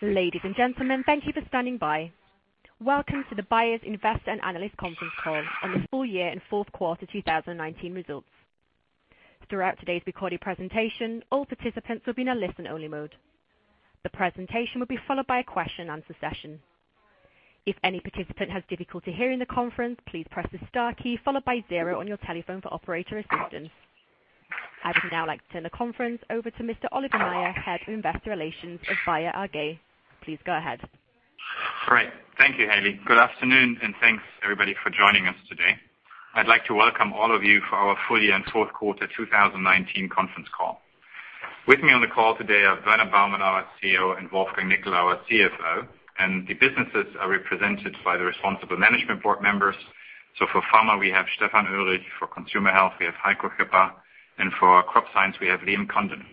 Ladies and gentlemen, thank you for standing by. Welcome to the Bayer's investor and analyst conference call on the full year and fourth quarter 2019 results. Throughout today's recorded presentation, all participants will be in a listen-only mode. The presentation will be followed by a question answer session. If any participant has difficulty hearing the conference, please press the star key followed by zero on your telephone for operator assistance. I would now like to turn the conference over to Mr. Oliver Maier, Head of Investor Relations of Bayer AG. Please go ahead. Great. Thank you, Haley. Good afternoon, thanks, everybody, for joining us today. I'd like to welcome all of you for our full year and fourth quarter 2019 conference call. With me on the call today are Werner Baumann, our CEO, and Wolfgang Nickl, our CFO. The businesses are represented by the responsible management board members. For Pharmaceuticals, we have Stefan Oelrich, for Consumer Health, we have Heiko Schipper, and for Crop Science, we have Liam Condon.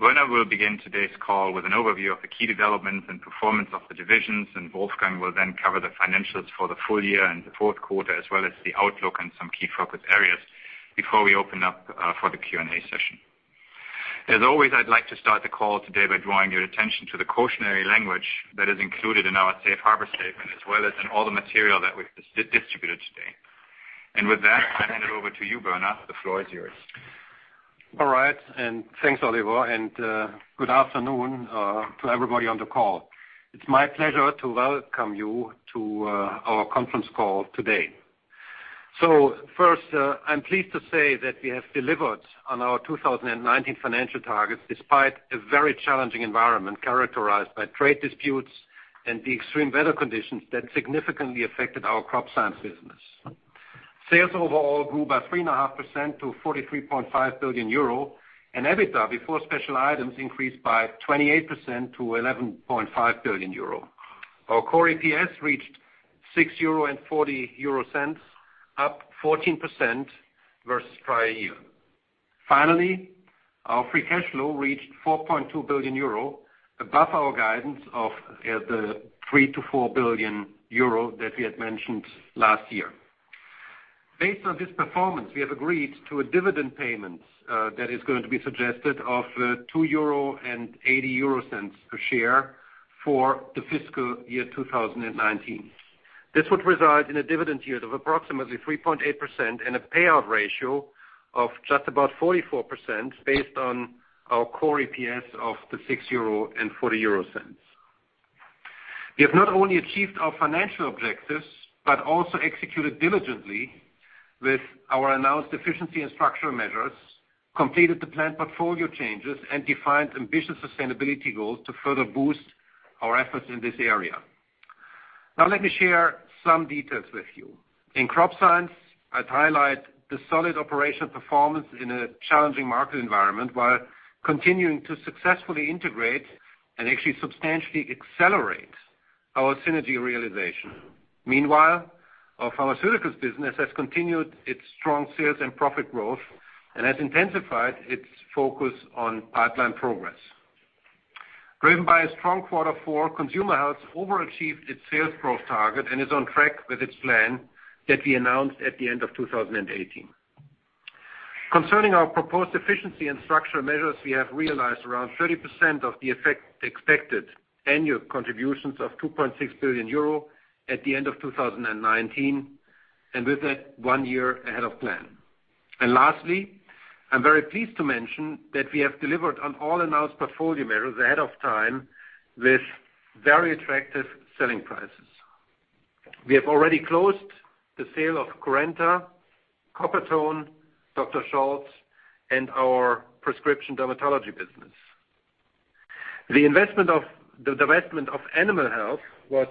Werner will begin today's call with an overview of the key developments and performance of the divisions, and Wolfgang will then cover the financials for the full year and the fourth quarter, as well as the outlook and some key focus areas before we open up for the Q&A session. As always, I'd like to start the call today by drawing your attention to the cautionary language that is included in our Safe Harbor statement, as well as in all the material that we've distributed today. With that, I'll hand it over to you, Werner. The floor is yours. All right. Thanks, Oliver, and good afternoon to everybody on the call. It's my pleasure to welcome you to our conference call today. First, I'm pleased to say that we have delivered on our 2019 financial targets, despite a very challenging environment characterized by trade disputes and the extreme weather conditions that significantly affected our Crop Science business. Sales overall grew by 3.5% to 43.5 billion euro, and EBITDA before special items increased by 28% to 11.5 billion euro. Our core EPS reached 6.40 euro, up 14% versus prior year. Finally, our free cash flow reached 4.2 billion euro, above our guidance of 3 billion-4 billion euro that we had mentioned last year. Based on this performance, we have agreed to a dividend payment that is going to be suggested of 2.80 euro per share for FY 2019. This would result in a dividend yield of approximately 3.8% and a payout ratio of just about 44%, based on our core EPS of 6.40 euro. We have not only achieved our financial objectives, but also executed diligently with our announced efficiency and structural measures, completed the planned portfolio changes, and defined ambitious sustainability goals to further boost our efforts in this area. Now, let me share some details with you. In Crop Science, I'd highlight the solid operational performance in a challenging market environment while continuing to successfully integrate and actually substantially accelerate our synergy realization. Meanwhile, our Pharmaceuticals business has continued its strong sales and profit growth and has intensified its focus on pipeline progress. Driven by a strong quarter four, Consumer Health overachieved its sales growth target and is on track with its plan that we announced at the end of 2018. Concerning our proposed efficiency and structural measures, we have realized around 30% of the effect expected annual contributions of 2.6 billion euro at the end of 2019. With that, one year ahead of plan. Lastly, I'm very pleased to mention that we have delivered on all announced portfolio measures ahead of time with very attractive selling prices. We have already closed the sale of Currenta, Coppertone, Dr. Scholl's, and our prescription dermatology business. The divestment of Animal Health was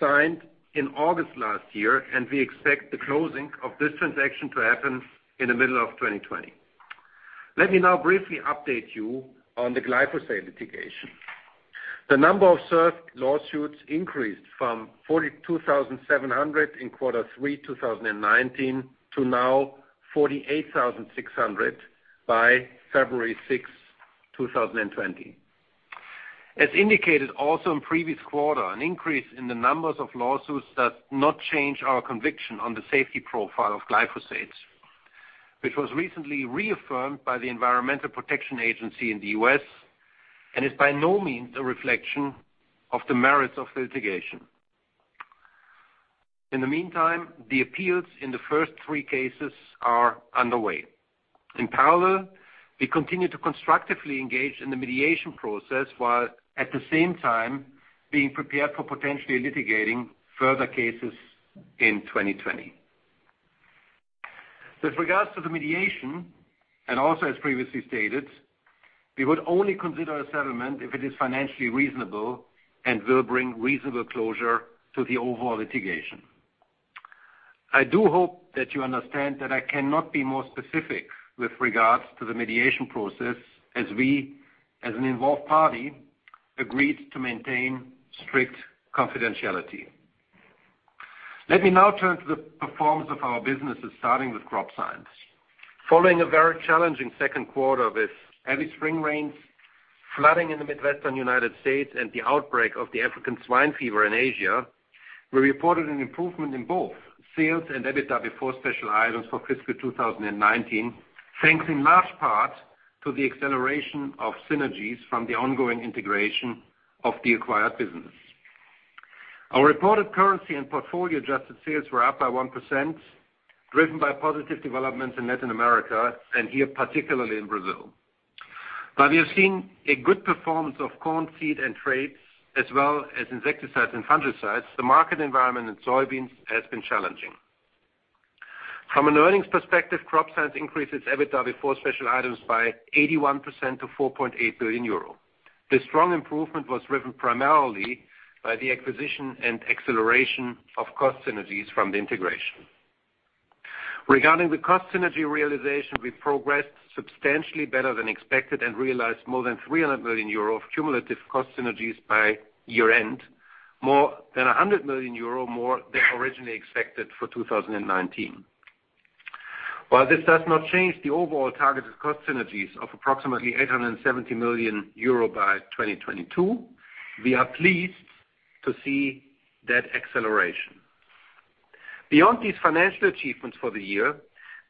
signed in August last year. We expect the closing of this transaction to happen in the middle of 2020. Let me now briefly update you on the glyphosate litigation. The number of served lawsuits increased from 42,700 in quarter three 2019 to now 48,600 by February 6, 2020. As indicated also in previous quarter, an increase in the numbers of lawsuits does not change our conviction on the safety profile of glyphosate, which was recently reaffirmed by the Environmental Protection Agency in the U.S. and is by no means a reflection of the merits of litigation. In the meantime, the appeals in the first three cases are underway. In parallel, we continue to constructively engage in the mediation process while at the same time being prepared for potentially litigating further cases in 2020. With regards to the mediation, also as previously stated, we would only consider a settlement if it is financially reasonable and will bring reasonable closure to the overall litigation. I do hope that you understand that I cannot be more specific with regards to the mediation process as we, as an involved party, agreed to maintain strict confidentiality. Let me now turn to the performance of our businesses, starting with Crop Science. Following a very challenging second quarter with heavy spring rains, flooding in the Midwestern U.S. and the outbreak of the African swine fever in Asia. We reported an improvement in both sales and EBITDA before special items for fiscal 2019, thanks in large part to the acceleration of synergies from the ongoing integration of the acquired business. Our reported currency and portfolio-adjusted sales were up by 1%, driven by positive developments in Latin America, and here, particularly in Brazil. While we have seen a good performance of corn, feed, and traits as well as insecticides and fungicides, the market environment in soybeans has been challenging. From an earnings perspective, Crop Science increased its EBITDA before special items by 81% to 4.8 billion euro. This strong improvement was driven primarily by the acquisition and acceleration of cost synergies from the integration. Regarding the cost synergy realization, we progressed substantially better than expected and realized more than 300 million euro of cumulative cost synergies by year-end, more than 100 million euro more than originally expected for 2019. While this does not change the overall targeted cost synergies of approximately 870 million euro by 2022, we are pleased to see that acceleration. Beyond these financial achievements for the year,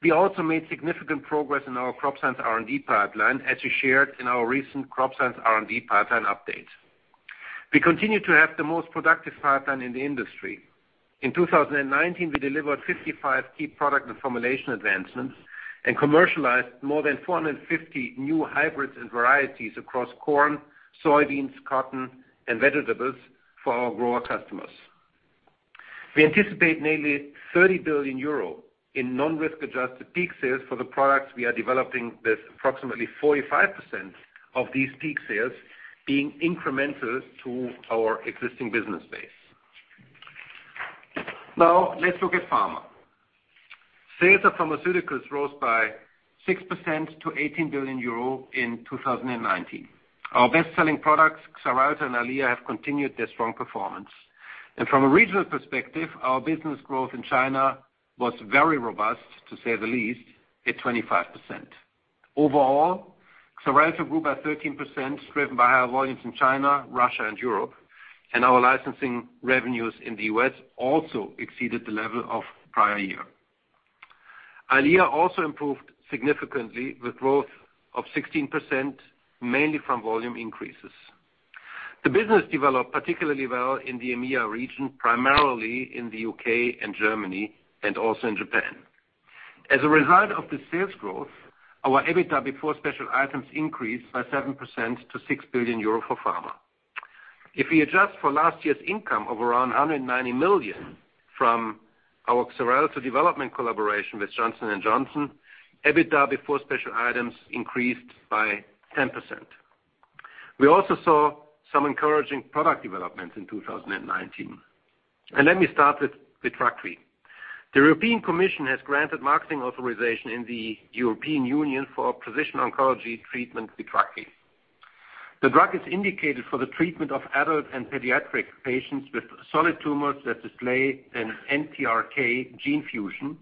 we also made significant progress in our Crop Science R&D pipeline, as we shared in our recent Crop Science R&D pipeline update. We continue to have the most productive pipeline in the industry. In 2019, we delivered 55 key product and formulation advancements, and commercialized more than 450 new hybrids and varieties across corn, soybeans, cotton, and vegetables for our grower customers. We anticipate nearly 30 billion euro in non-risk adjusted peak sales for the products we are developing, with approximately 45% of these peak sales being incremental to our existing business base. Now, let's look at pharma. Sales of pharmaceuticals rose by 6% to 18 billion euro in 2019. Our best-selling products, Xarelto and Eylea, have continued their strong performance. From a regional perspective, our business growth in China was very robust, to say the least, at 25%. Overall, Xarelto grew by 13%, driven by higher volumes in China, Russia, and Europe. Our licensing revenues in the U.S. also exceeded the level of prior year. Eylea also improved significantly with growth of 16%, mainly from volume increases. The business developed particularly well in the EMEA region, primarily in the U.K. and Germany, and also in Japan. As a result of the sales growth, our EBITDA before special items increased by 7% to 6 billion euro for Pharmaceuticals. If we adjust for last year's income of around 190 million from our Xarelto development collaboration with Johnson & Johnson, EBITDA before special items increased by 10%. We also saw some encouraging product developments in 2019. Let me start with Vitrakvi. The European Commission has granted marketing authorization in the European Union for precision oncology treatment Vitrakvi. The drug is indicated for the treatment of adult and pediatric patients with solid tumors that display an NTRK gene fusion,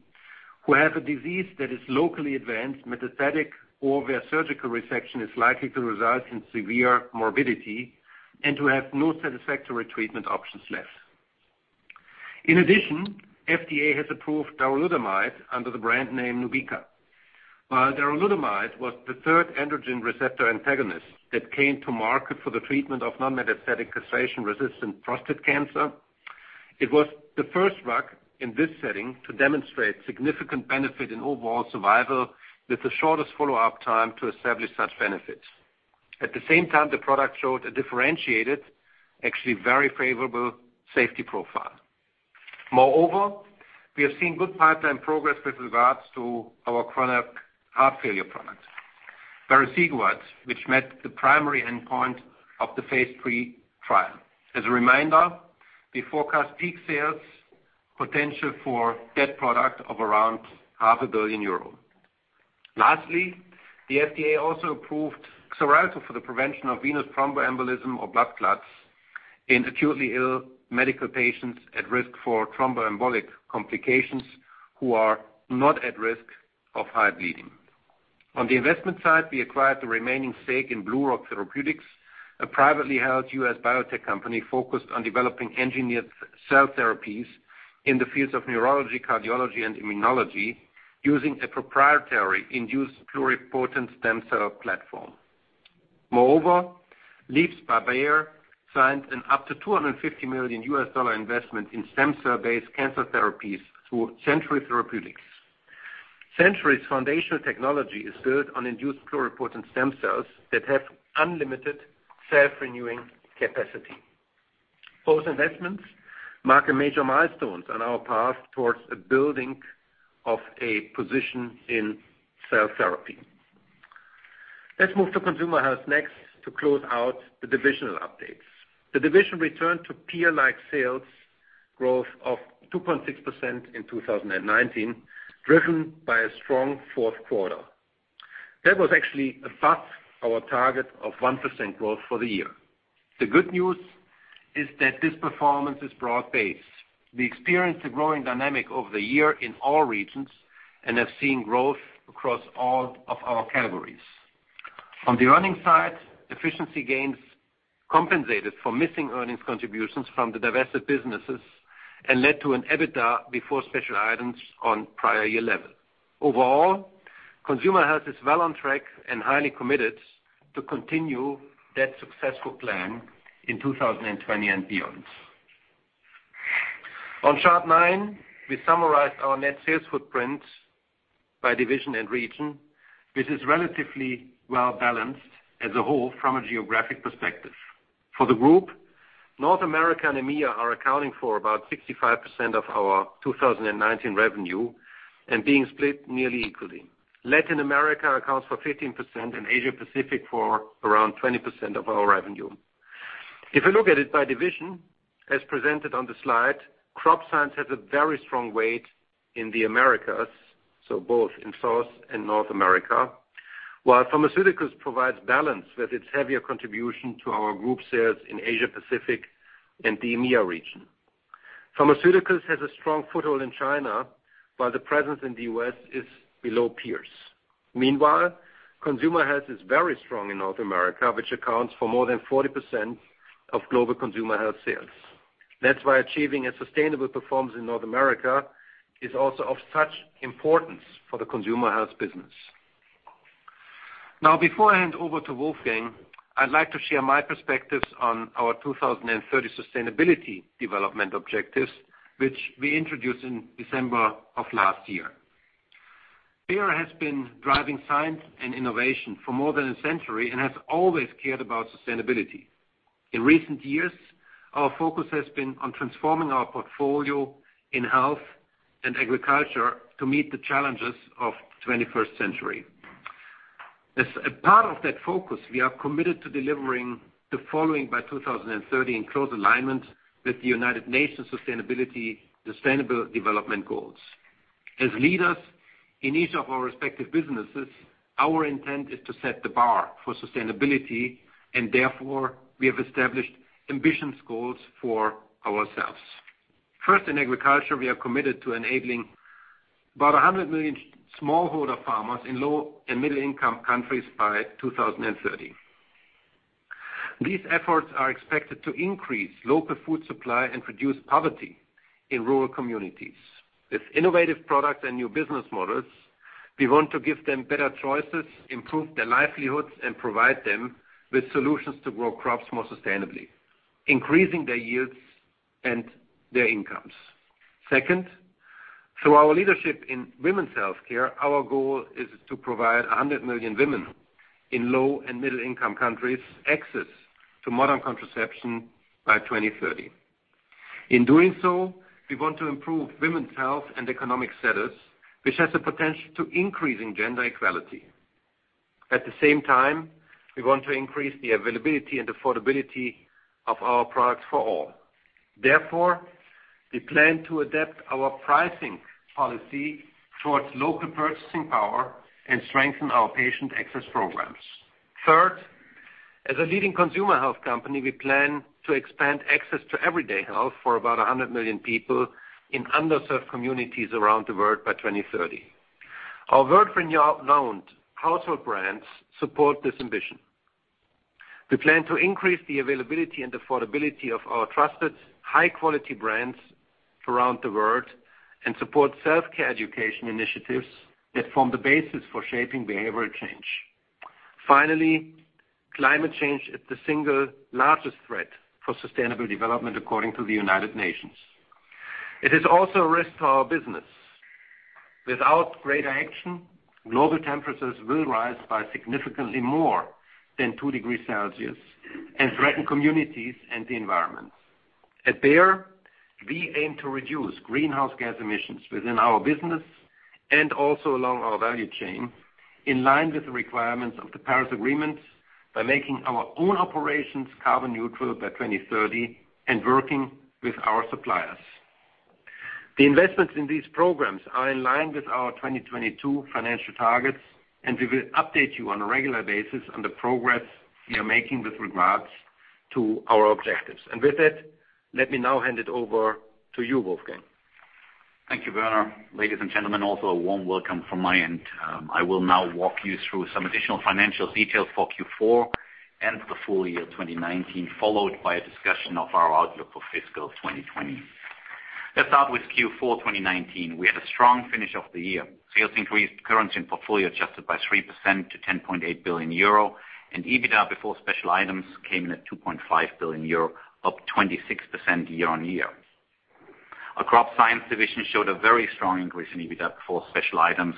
who have a disease that is locally advanced, metastatic, or where surgical resection is likely to result in severe morbidity and who have no satisfactory treatment options left. In addition, FDA has approved darolutamide under the brand name Nubeqa. While darolutamide was the third androgen receptor antagonist that came to market for the treatment of non-metastatic castration-resistant prostate cancer, it was the first drug in this setting to demonstrate significant benefit in overall survival with the shortest follow-up time to establish such benefits. At the same time, the product showed a differentiated, actually very favorable safety profile. Moreover, we have seen good pipeline progress with regards to our chronic heart failure product, vericiguat, which met the primary endpoint of the phase III trial. As a reminder, we forecast peak sales potential for that product of around 500 million euros. Lastly, the FDA also approved Xarelto for the prevention of venous thromboembolism or blood clots in acutely ill medical patients at risk for thromboembolic complications who are not at risk of high bleeding. On the investment side, we acquired the remaining stake in BlueRock Therapeutics, a privately held U.S. biotech company focused on developing engineered cell therapies in the fields of neurology, cardiology, and immunology using a proprietary induced pluripotent stem cell platform. Moreover, Leaps by Bayer signed an up to EUR 250 million investment in stem cell-based cancer therapies through Century Therapeutics. Century's foundational technology is built on induced pluripotent stem cells that have unlimited self-renewing capacity. Both investments mark major milestones on our path towards the building of a position in cell therapy. Let's move to Consumer Health next to close out the divisional updates. The division returned to peer-like sales growth of 2.6% in 2019, driven by a strong fourth quarter. That was actually above our target of 1% growth for the year. The good news is that this performance is broad-based. We experienced a growing dynamic over the year in all regions, and have seen growth across all of our categories. On the earnings side, efficiency gains compensated for missing earnings contributions from the divested businesses and led to an EBITDA before special items on prior year level. Overall, Consumer Health is well on track and highly committed to continue that successful plan in 2020 and beyond. On chart nine, we summarized our net sales footprint by division and region, which is relatively well-balanced as a whole from a geographic perspective. For the group, North America and EMEA are accounting for about 65% of our 2019 revenue and being split nearly equally. Latin America accounts for 15% and Asia Pacific for around 20% of our revenue. If we look at it by division, as presented on the slide, Crop Science has a very strong weight in the Americas, both in South and North America, while Pharmaceuticals provides balance with its heavier contribution to our group sales in Asia Pacific and the EMEA region. Pharmaceuticals has a strong foothold in China, while the presence in the U.S. is below peers. Meanwhile, Consumer Health is very strong in North America, which accounts for more than 40% of global Consumer Health sales. That's why achieving a sustainable performance in North America is also of such importance for the Consumer Health business. Before I hand over to Wolfgang, I'd like to share my perspectives on our 2030 sustainability development objectives, which we introduced in December of last year. Bayer has been driving science and innovation for more than a century and has always cared about sustainability. In recent years, our focus has been on transforming our portfolio in health and agriculture to meet the challenges of 21st century. As a part of that focus, we are committed to delivering the following by 2030 in close alignment with the United Nations Sustainable Development Goals. Therefore, we have established ambitious goals for ourselves. First, in agriculture, we are committed to enabling about 100 million smallholder farmers in low and middle income countries by 2030. These efforts are expected to increase local food supply and reduce poverty in rural communities. With innovative products and new business models, we want to give them better choices, improve their livelihoods, and provide them with solutions to grow crops more sustainably, increasing their yields and their incomes. Second, through our leadership in women's healthcare, our goal is to provide 100 million women in low and middle income countries access to modern contraception by 2030. In doing so, we want to improve women's health and economic status, which has the potential to increasing gender equality. At the same time, we want to increase the availability and affordability of our products for all. Therefore, we plan to adapt our pricing policy towards local purchasing power and strengthen our patient access programs. Third, as a leading Consumer Health company, we plan to expand access to everyday health for about 100 million people in underserved communities around the world by 2030. Our world-renowned household brands support this ambition. We plan to increase the availability and affordability of our trusted, high quality brands around the world and support self-care education initiatives that form the basis for shaping behavioral change. Finally, climate change is the single largest threat for sustainable development according to the United Nations. It is also a risk to our business. Without greater action, global temperatures will rise by significantly more than two degrees Celsius and threaten communities and the environment. At Bayer, we aim to reduce greenhouse gas emissions within our business and also along our value chain, in line with the requirements of the Paris Agreement, by making our own operations carbon neutral by 2030 and working with our suppliers. The investments in these programs are in line with our 2022 financial targets, and we will update you on a regular basis on the progress we are making with regards to our objectives. With that, let me now hand it over to you, Wolfgang. Thank you, Werner. Ladies and gentlemen, also a warm welcome from my end. I will now walk you through some additional financial details for Q4 and the full year 2019, followed by a discussion of our outlook for fiscal 2020. Let's start with Q4 2019. We had a strong finish of the year. Sales increased currency and portfolio adjusted by 3% to 10.8 billion euro, and EBITDA before special items came in at 2.5 billion euro, up 26% year-on-year. Our Crop Science division showed a very strong increase in EBITDA before special items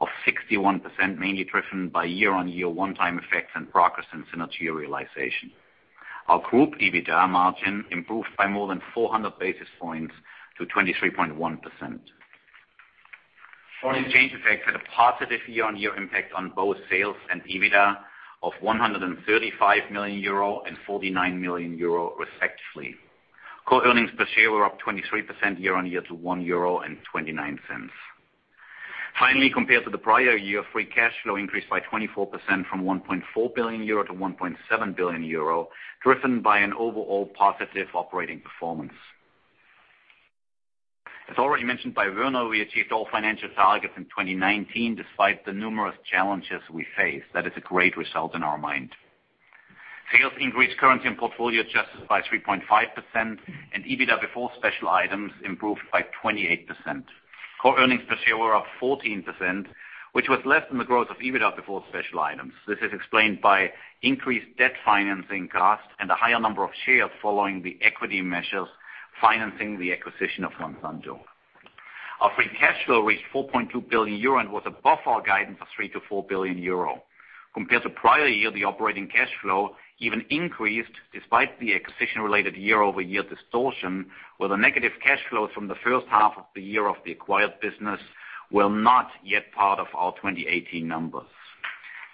of 61%, mainly driven by year-on-year one-time effects and progress in synergy realization. Our group EBITDA margin improved by more than 400 basis points to 23.1%. Foreign exchange effects had a positive year-on-year impact on both sales and EBITDA of 135 million euro and 49 million euro, respectively. Core earnings per share were up 23% year-on-year to 1.29 euro. Compared to the prior year, free cash flow increased by 24% from 1.4 billion euro to 1.7 billion euro, driven by an overall positive operating performance. As already mentioned by Werner, we achieved all financial targets in 2019, despite the numerous challenges we faced. That is a great result in our mind. Sales increased currency and portfolio adjusted by 3.5%, and EBITDA before special items improved by 28%. Core earnings per share were up 14%, which was less than the growth of EBITDA before special items. This is explained by increased debt financing costs and a higher number of shares following the equity measures financing the acquisition of Monsanto. Our free cash flow reached 4.2 billion euro and was above our guidance of 3 billion-4 billion euro. Compared to prior year, the operating cash flow even increased despite the acquisition-related year-over-year distortion, where the negative cash flow from the first half of the year of the acquired business were not yet part of our 2018 numbers.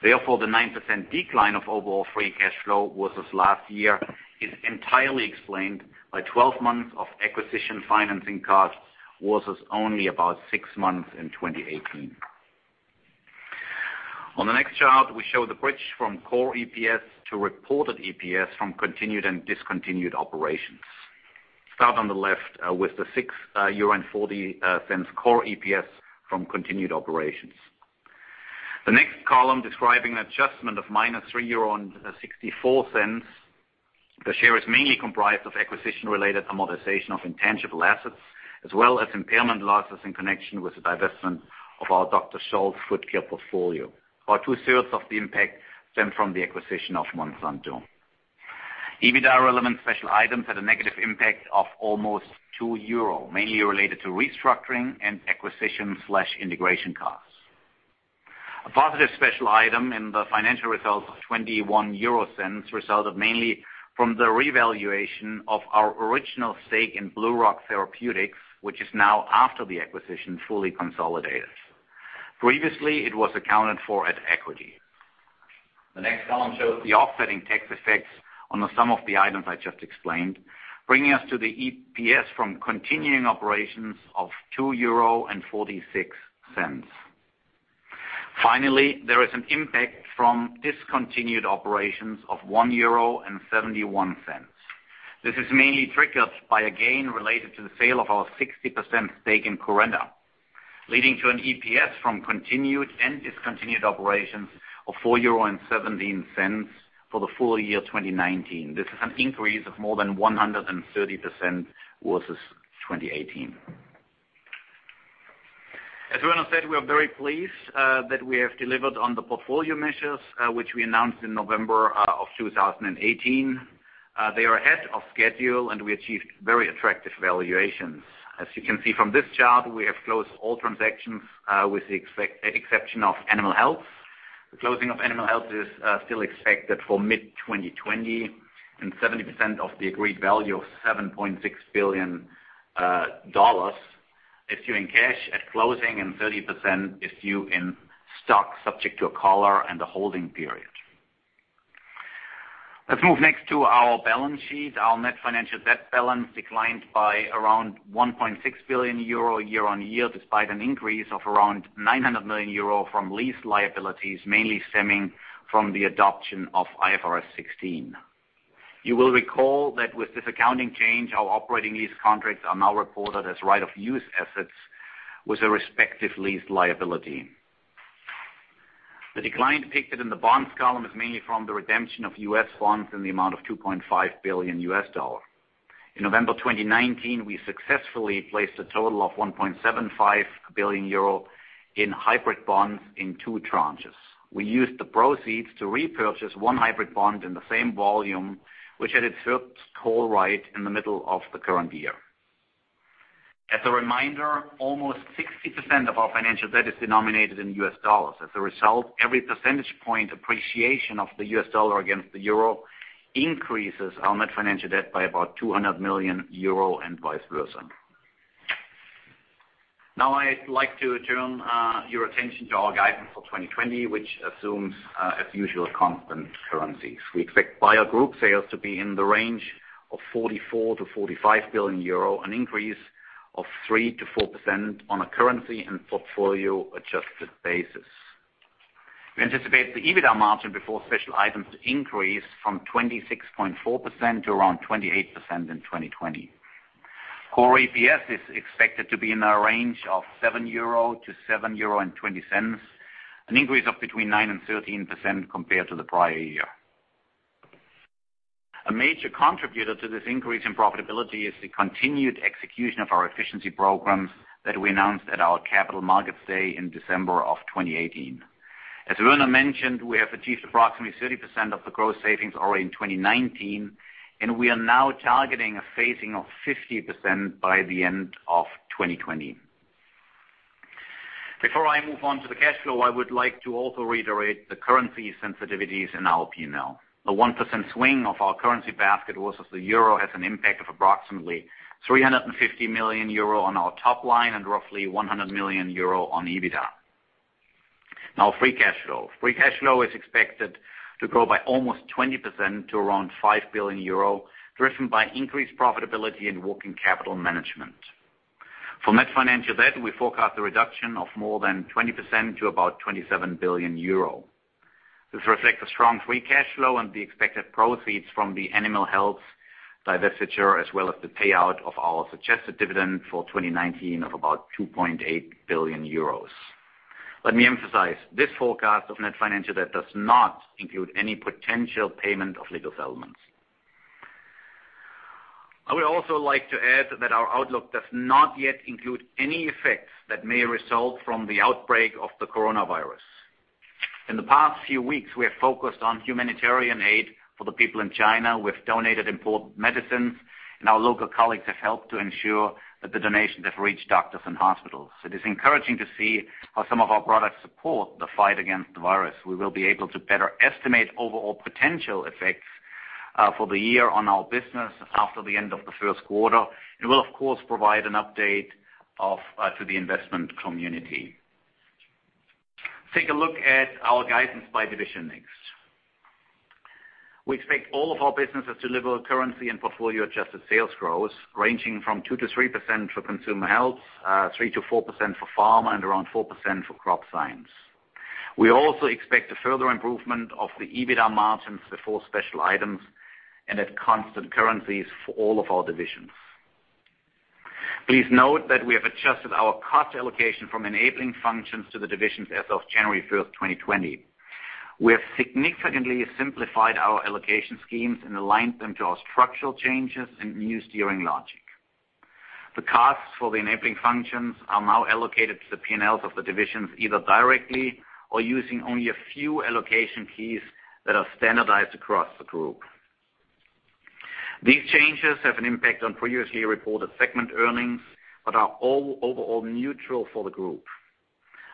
The 9% decline of overall free cash flow versus last year is entirely explained by 12 months of acquisition financing costs versus only about six months in 2018. On the next chart, we show the bridge from core EPS to reported EPS from continued and discontinued operations. Start on the left with the 6.40 euro core EPS from continued operations. The next column describing an adjustment of -3.64 euro. The share is mainly comprised of acquisition-related amortization of intangible assets, as well as impairment losses in connection with the divestment of our Dr. Scholl's foot care portfolio. About two-thirds of the impact stemmed from the acquisition of Monsanto. EBITDA relevant special items had a negative impact of almost 2 euro, mainly related to restructuring and acquisition/integration costs. A positive special item in the financial results of 0.21 resulted mainly from the revaluation of our original stake in BlueRock Therapeutics, which is now, after the acquisition, fully consolidated. Previously, it was accounted for at equity. The next column shows the offsetting tax effects on the sum of the items I just explained, bringing us to the EPS from continuing operations of 2.46 euro. Finally, there is an impact from discontinued operations of 1.71 euro. This is mainly triggered by a gain related to the sale of our 60% stake in Currenta, leading to an EPS from continued and discontinued operations of 4.17 euro for the full year 2019. This is an increase of more than 130% versus 2018. As Werner said, we are very pleased that we have delivered on the portfolio measures which we announced in November 2018. They are ahead of schedule, and we achieved very attractive valuations. As you can see from this chart, we have closed all transactions with the exception of Animal Health. The closing of Animal Health is still expected for mid-2020 and 70% of the agreed value of EUR 7.6 billion issuing cash at closing and 30% issue in stock, subject to a collar and a holding period. Let's move next to our balance sheet. Our net financial debt balance declined by around 1.6 billion euro year-on-year, despite an increase of around 900 million euro from lease liabilities, mainly stemming from the adoption of IFRS 16. You will recall that with this accounting change, our operating lease contracts are now reported as right-of-use assets with a respective lease liability. The decline depicted in the bonds column is mainly from the redemption of U.S. bonds in the amount of $2.5 billion. In November 2019, we successfully placed a total of 1.75 billion euro in hybrid bonds in two tranches. We used the proceeds to repurchase one hybrid bond in the same volume, which had its first call right in the middle of the current year. As a reminder, almost 60% of our financial debt is denominated in U.S. dollars. As a result, every percentage point appreciation of the U.S. dollar against the euro increases our net financial debt by about 200 million euro and vice versa. I'd like to turn your attention to our guidance for 2020, which assumes, as usual, constant currencies. We expect Bayer Group sales to be in the range of 44 billion-45 billion euro, an increase of 3%-4% on a currency and portfolio adjusted basis. We anticipate the EBITDA margin before special items to increase from 26.4% to around 28% in 2020. Core EPS is expected to be in a range of 7-7.20 euro, an increase of between 9% and 13% compared to the prior year. A major contributor to this increase in profitability is the continued execution of our efficiency programs that we announced at our Capital Markets Day in December of 2018. As Werner mentioned, we have achieved approximately 30% of the gross savings already in 2019, and we are now targeting a phasing of 50% by the end of 2020. Before I move on to the cash flow, I would like to also reiterate the currency sensitivities in our P&L. A 1% swing of our currency basket versus the EUR has an impact of approximately 350 million euro on our top line and roughly 100 million euro on EBITDA. Now, free cash flow. Free cash flow is expected to grow by almost 20% to around 5 billion euro, driven by increased profitability and working capital management. For net financial debt, we forecast a reduction of more than 20% to about 27 billion euro. This reflects the strong free cash flow and the expected proceeds from the Animal Health divestiture, as well as the payout of our suggested dividend for 2019 of about 2.8 billion euros. Let me emphasize, this forecast of net financial debt does not include any potential payment of legal settlements. I would also like to add that our outlook does not yet include any effects that may result from the outbreak of the coronavirus. In the past few weeks, we have focused on humanitarian aid for the people in China. We've donated important medicines, and our local colleagues have helped to ensure that the donations have reached doctors and hospitals. It is encouraging to see how some of our products support the fight against the virus. We will be able to better estimate overall potential effects for the year on our business after the end of the first quarter, and we'll, of course, provide an update to the investment community. Let's take a look at our guidance by division next. We expect all of our businesses to deliver currency and portfolio-adjusted sales growth, ranging from 2%-3% for Consumer Health, 3%-4% for Pharma, and around 4% for Crop Science. We also expect a further improvement of the EBITDA margins before special items and at constant currencies for all of our divisions. Please note that we have adjusted our cost allocation from enabling functions to the divisions as of January 1st, 2020. We have significantly simplified our allocation schemes and aligned them to our structural changes and new steering logic. The costs for the enabling functions are now allocated to the P&Ls of the divisions, either directly or using only a few allocation keys that are standardized across the group. These changes have an impact on previously reported segment earnings but are all overall neutral for the group.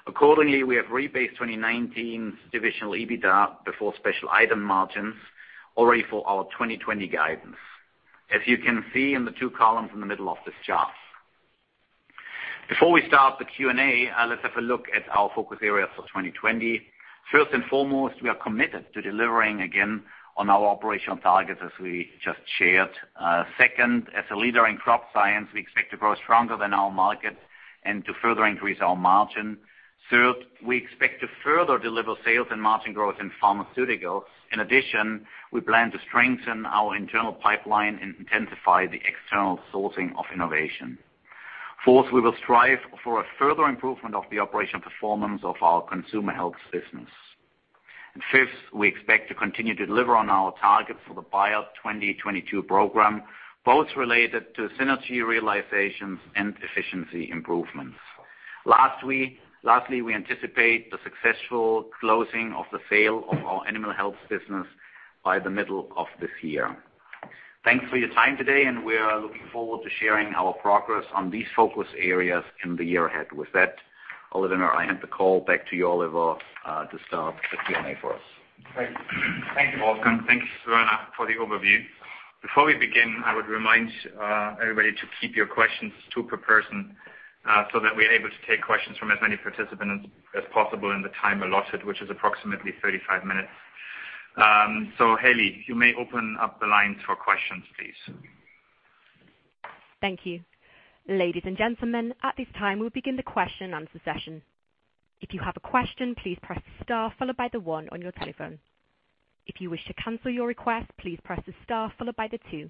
Accordingly, we have rebased 2019's divisional EBITDA before special item margins already for our 2020 guidance, as you can see in the two columns in the middle of this chart. Before we start the Q&A, let's have a look at our focus areas for 2020. First and foremost, we are committed to delivering again on our operational targets, as we just shared. Second, as a leader in Crop Science, we expect to grow stronger than our market and to further increase our margin. Third, we expect to further deliver sales and margin growth in Pharmaceuticals. In addition, we plan to strengthen our internal pipeline and intensify the external sourcing of innovation. Fourth, we will strive for a further improvement of the operational performance of our Consumer Health business. Fifth, we expect to continue to deliver on our targets for the Bayer 2022 program, both related to synergy realizations and efficiency improvements. Lastly, we anticipate the successful closing of the sale of our Animal Health business by the middle of this year. Thanks for your time today, and we are looking forward to sharing our progress on these focus areas in the year ahead. With that, Oliver, I hand the call back to you, Oliver, to start the Q&A for us. Great. Thank you, Wolfgang. Thank you, Werner, for the overview. Before we begin, I would remind everybody to keep your questions two per person so that we are able to take questions from as many participants as possible in the time allotted, which is approximately 35 minutes. Haley, you may open up the lines for questions, please. Thank you. Ladies and gentlemen, at this time, we'll begin the question-and-answer session. If you have a question, please press star followed by the one on your telephone. If you wish to cancel your request, please press the star followed by the two.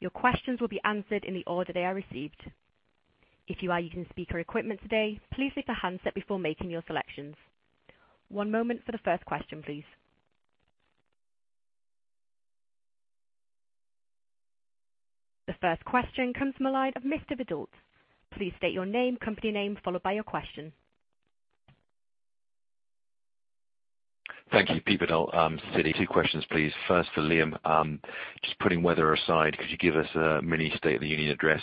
Your questions will be answered in the order they are received. If you are using speaker equipment today, please hit the handset before making your selections. One moment for the first question, please. The first question comes from the line of Mr. Verdult. Please state your name, company name, followed by your question. Thank you. Peter Verdult, Citi. Two questions, please. First for Liam. Just putting weather aside, could you give us a mini State of the Union address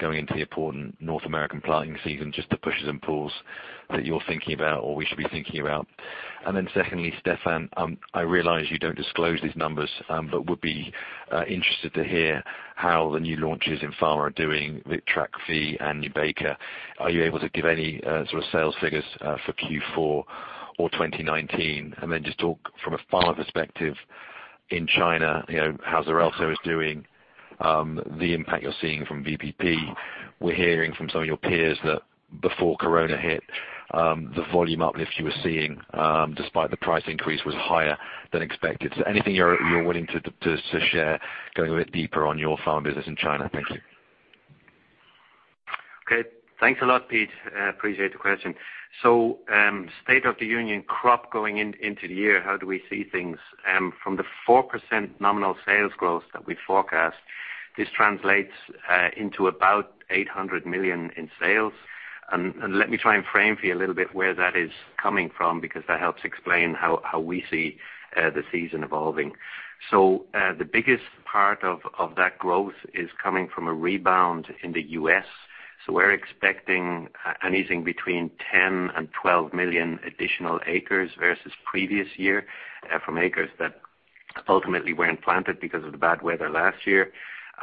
going into the important North American planting season, just the pushes and pulls that you're thinking about or we should be thinking about? Secondly, Stefan, I realize you don't disclose these numbers but would be interested to hear how the new launches in Pharmaceuticals are doing with Vitrakvi and Nubeqa. Are you able to give any sort of sales figures for Q4 or 2019? Just talk from a Pharmaceuticals perspective in China, how Xarelto is doing, the impact you're seeing from VBP. We're hearing from some of your peers that before coronavirus hit, the volume uplift you were seeing, despite the price increase, was higher than expected. Anything you're willing to share, going a bit deeper on your Pharma business in China? Thank you. Okay. Thanks a lot, Pete. Appreciate the question. State of the Union crop going into the year, how do we see things? From the 4% nominal sales growth that we forecast, this translates into about 800 million in sales. Let me try and frame for you a little bit where that is coming from because that helps explain how we see the season evolving. The biggest part of that growth is coming from a rebound in the U.S. We're expecting anything between 10 million and 12 million additional acres versus the previous year from acres that Ultimately weren't planted because of the bad weather last year.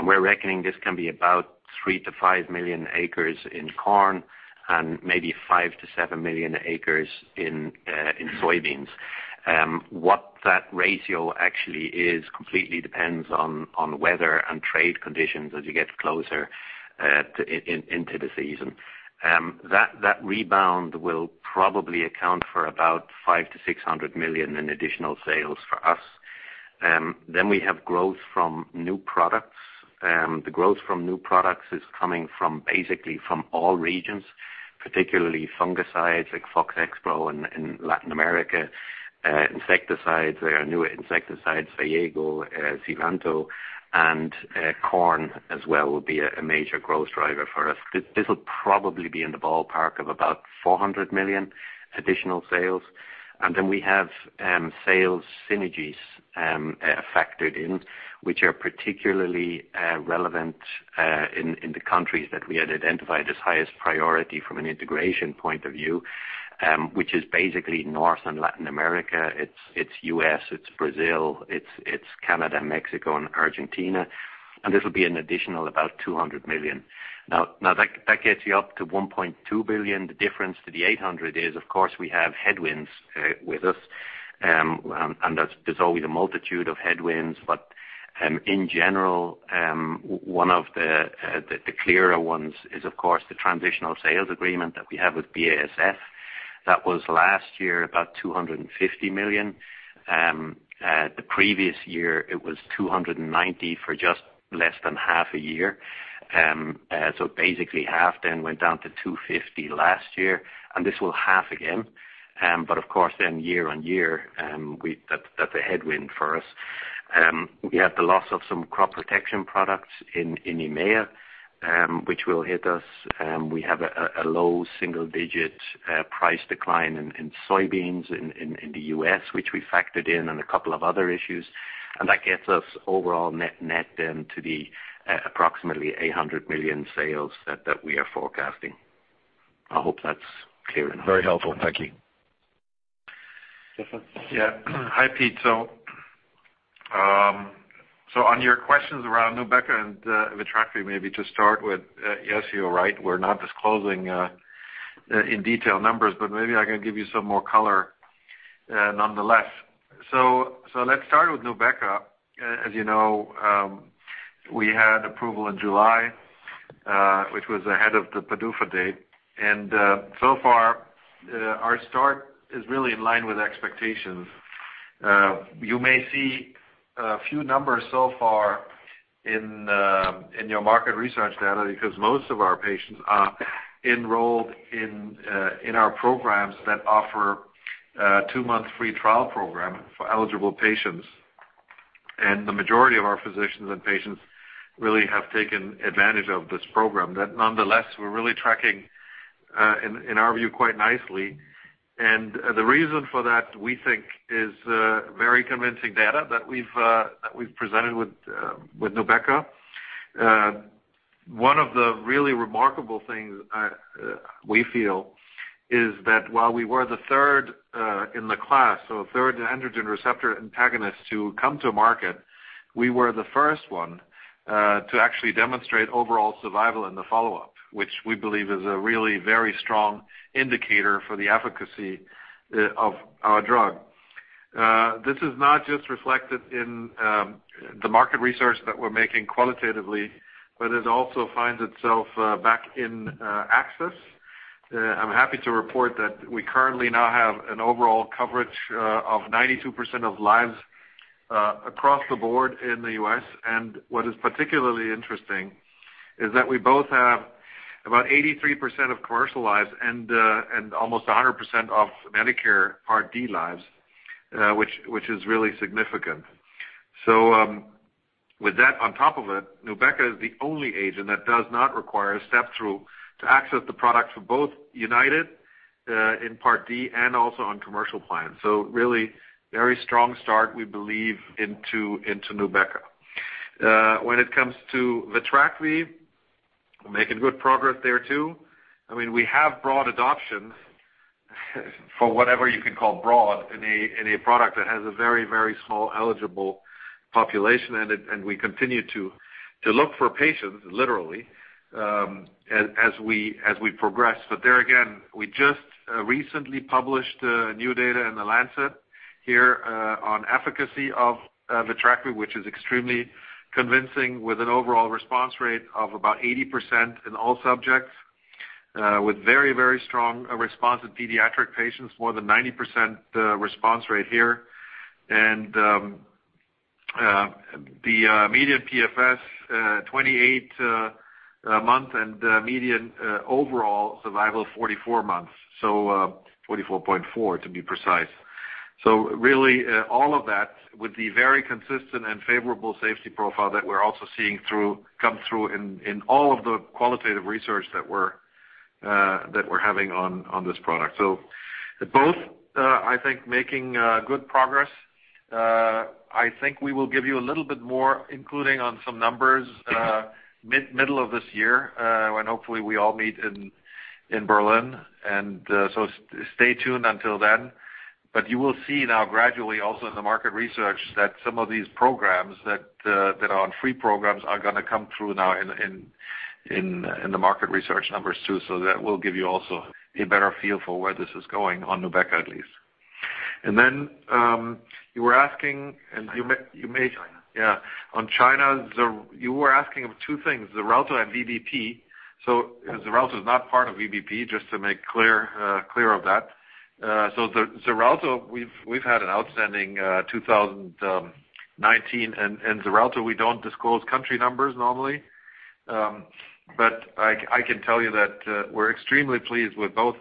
We're reckoning this can be about 3 million-5 million acres in corn and maybe 5 million-7 million acres in soybeans. What that ratio actually is completely depends on the weather and trade conditions as you get closer into the season. That rebound will probably account for about 500 million-600 million in additional sales for us. We have growth from new products. The growth from new products is coming basically from all regions, particularly fungicides like Fox Xpro in Latin America. There are new insecticides, Vayego, Sivanto, and corn as well will be a major growth driver for us. This will probably be in the ballpark of about 400 million additional sales. We have sales synergies factored in, which are particularly relevant in the countries that we had identified as highest priority from an integration point of view, which is basically North and Latin America. It's U.S., it's Brazil, it's Canada, Mexico, and Argentina, and this will be an additional about 200 million. That gets you up to 1.2 billion. The difference to the 800 million is, of course, we have headwinds with us. There's always a multitude of headwinds, but in general, one of the clearer ones is, of course, the transitional sales agreement that we have with BASF. That was last year, about 250 million. The previous year it was 290 million for just less than half a year. Basically half then went down to 250 million last year, and this will half again. Of course, then year-on-year, that's a headwind for us. We have the loss of some crop protection products in EMEA, which will hit us. We have a low single-digit price decline in soybeans in the U.S., which we factored in, and a couple of other issues. That gets us overall net then to the approximately 800 million sales that we are forecasting. I hope that's clear enough. Very helpful. Thank you. Stefan? Yeah. Hi, Pete. On your questions around Nubeqa and Vitrakvi, maybe to start with, yes, you're right. We're not disclosing in detail numbers, but maybe I can give you some more color nonetheless. Let's start with Nubeqa. As you know, we had approval in July, which was ahead of the PDUFA date. So far, our start is really in line with expectations. You may see a few numbers so far in your market research data because most of our patients are enrolled in our programs that offer two-month free trial program for eligible patients. The majority of our physicians and patients really have taken advantage of this program that nonetheless, we're really tracking, in our view, quite nicely. The reason for that, we think, is very convincing data that we've presented with Nubeqa. One of the really remarkable things we feel is that while we were the third in the class, so third androgen receptor antagonist to come to market, we were the first one to actually demonstrate overall survival in the follow-up, which we believe is a really very strong indicator for the efficacy of our drug. This is not just reflected in the market research that we're making qualitatively, but it also finds itself back in access. I'm happy to report that we currently now have an overall coverage of 92% of lives across the board in the U.S. What is particularly interesting is that we both have about 83% of commercial lives and almost 100% of Medicare Part D lives which is really significant. With that on top of it, Nubeqa is the only agent that does not require a step-through to access the product for both UnitedHealthcare in Part D and also on commercial plans. Really very strong start, we believe, into Nubeqa. When it comes to Vitrakvi, making good progress there too. We have broad adoption for whatever you can call broad in a product that has a very, very small eligible population. We continue to look for patients literally as we progress. There again, we just recently published new data in "The Lancet" here on efficacy of Vitrakvi, which is extremely convincing with an overall response rate of about 80% in all subjects, with very, very strong response in pediatric patients, more than 90% response rate here. The median PFS 28 months and median overall survival 44 months. 44.4 to be precise. Really, all of that with the very consistent and favorable safety profile that we're also seeing come through in all of the qualitative research that we're having on this product. Both I think making good progress. I think we will give you a little bit more, including on some numbers middle of this year, when hopefully we all meet in Berlin. Stay tuned until then. You will see now gradually also in the market research, that some of these programs that are on free programs are going to come through now in the market research numbers too. That will give you also a better feel for where this is going on Nubeqa, at least. You were asking. China. On China, you were asking of two things, Xarelto and VBP. Xarelto is not part of VBP, just to make clear of that. Xarelto, we've had an outstanding 2019, and Xarelto, we don't disclose country numbers normally. I can tell you that we're extremely pleased with both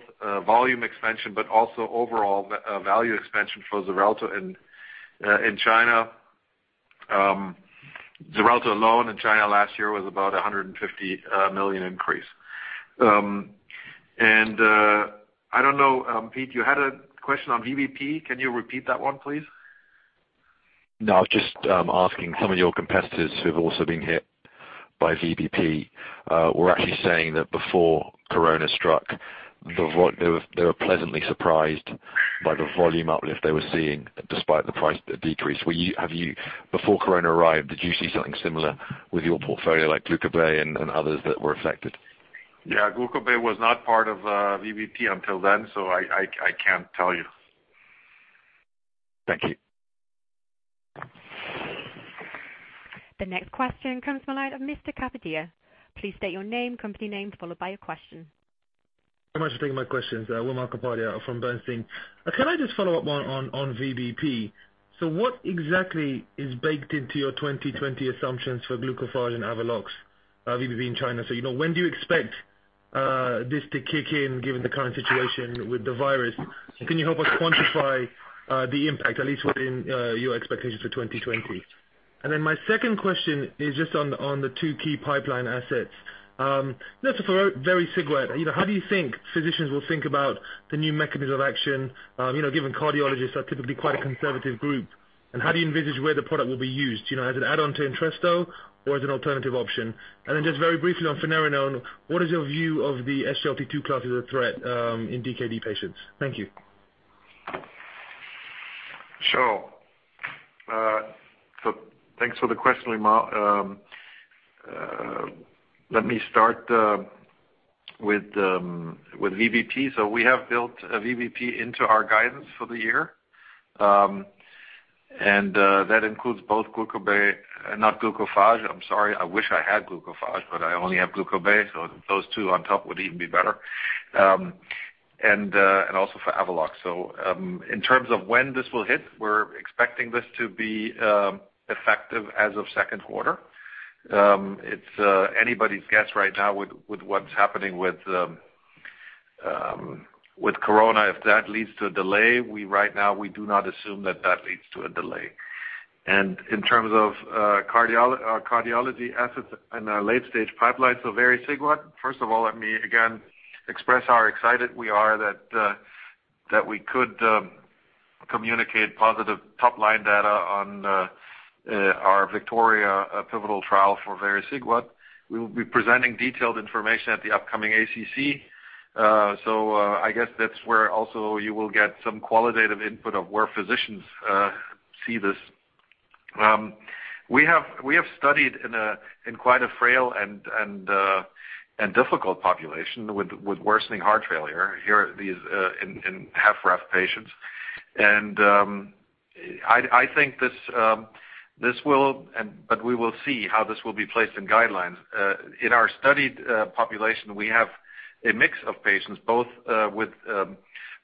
volume expansion but also overall value expansion for Xarelto in China. Xarelto alone in China last year was about 150 million increase. I don't know, Pete, you had a question on VBP. Can you repeat that one, please? No, just asking some of your competitors who've also been hit by VBP, were actually saying that before Corona struck, they were pleasantly surprised by the volume uplift they were seeing despite the price decrease. Before Corona arrived, did you see something similar with your portfolio like Glucobay and others that were affected? Yeah, Glucobay was not part of VBP until then, so I can't tell you. Thank you. The next question comes from the line of Mr. Kapadia. Please state your name, company name, followed by your question. Very much for taking my questions. Wimal Kapadia from Bernstein. Can I just follow-up on VBP? What exactly is baked into your 2020 assumptions for Glucophage and Avelox VBP in China? When do you expect this to kick in given the current situation with the virus? Can you help us quantify the impact, at least within your expectations for 2020? My second question is just on the two key pipeline assets. [Just for] vericiguat, how do you think physicians will think about the new mechanism of action, given that cardiologists are quite a conservative group? And how do you envisage the product will be used? You know, as an add-on to Entresto or as an alternative option? And then just very briefly, on finerenone, what is your view on the SGLT2 class as a threat in DKD patients? Thank you. Sure. Thanks for the question, Wimal. Let me start with VBP. So we have built VBP into our guidance for the year, and that includes both Glucobay, not Glucophage. I’m sorry, I wish I had Glucophage, but I only have Glucobay. Those two on top would even be better and also for Avelox. In terms of when this will hit, we’re expecting this to be effective as of second quarter. It’s anybody’s guess right now with what’s happening with Corona, if that leads to a delay. Right now we do not assume that that leads to a delay. And in terms of our cardiology assets in our late-stage pipeline, vericiguat. First of all, let me express how excited we are that we] could communicate positive top-line data on our VICTORIA pivotal trial for vericiguat. We’ll be presenting detailed information at the upcoming ACC, so I guess that’s where also you will get some qualitative input on where physicians see this. We have studied in quite a frail and difficult population with worsening heart failure, in HFrEF patients, and I think this will and, but we will see how this will be placed in guidelines. In our studied population, we have a mix of patients both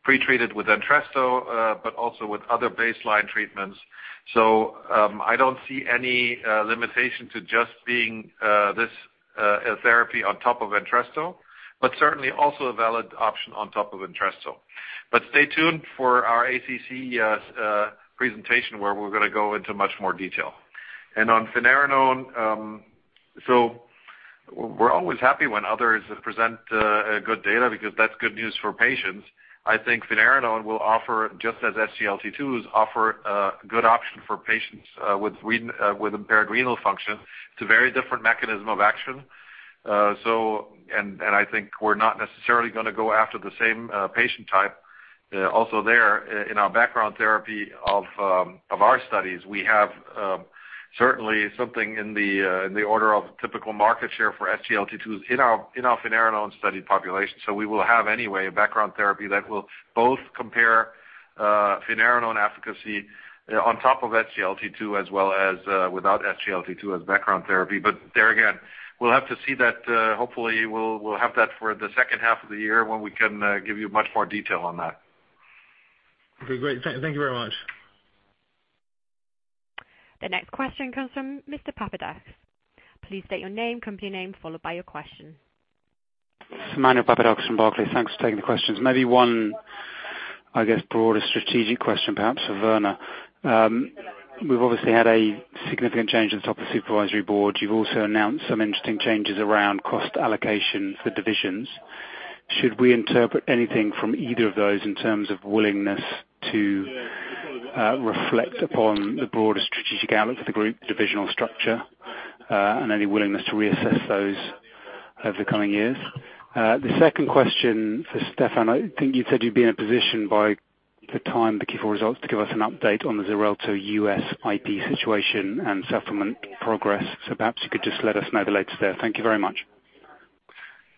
pre-treated with Entresto but also with other baseline treatments, so I don’t see any limitation to just being a therapy on top of Entresto, but it’s certainly also a valid option on top of Entresto. But stay tuned for our ACC presentation, where we’re going to go into much more detail. And, on finerenone, we’re always happy when others present good data, because that’s good news for patients. I think finerenone will offer, just as SGLT2s offer, a good option for patients with impaired renal function. It’s a very different mechanism of action, and I think we’re not necessarily going to go after the same patient type. Also there, in the background therapy of our studies, we have certainly something in the order of typical market share for SGLT2s in our finerenone population, so we will have anyway a background therapy that will both compare finerenone efficacy on top of SGLT2 without SGLT2 as background therapy, but there, again, we’ll have to see that; hopefully we’ll have that for the second half of the year, when we can give you much more detail on that. Okay, great. Thank you very much. The next question comes from Mr. Papadakis. Please state your name, company name, followed by your question. It's Emmanuel Papadakis from Barclays. Thanks for taking the questions. Maybe one, I guess broader strategic question perhaps for Werner. We've obviously had a significant change at the top of the supervisory board. You've also announced some interesting changes around cost allocation for divisions. Should we interpret anything from either of those in terms of willingness to reflect upon the broader strategic outlook for the group divisional structure? Any willingness to reassess those over the coming years. The second question for Stefan. I think you said you'd be in a position by the time the Q4 results, to give us an update on the Xarelto U.S. IP situation and settlement progress. Perhaps you could just let us know the latest there. Thank you very much.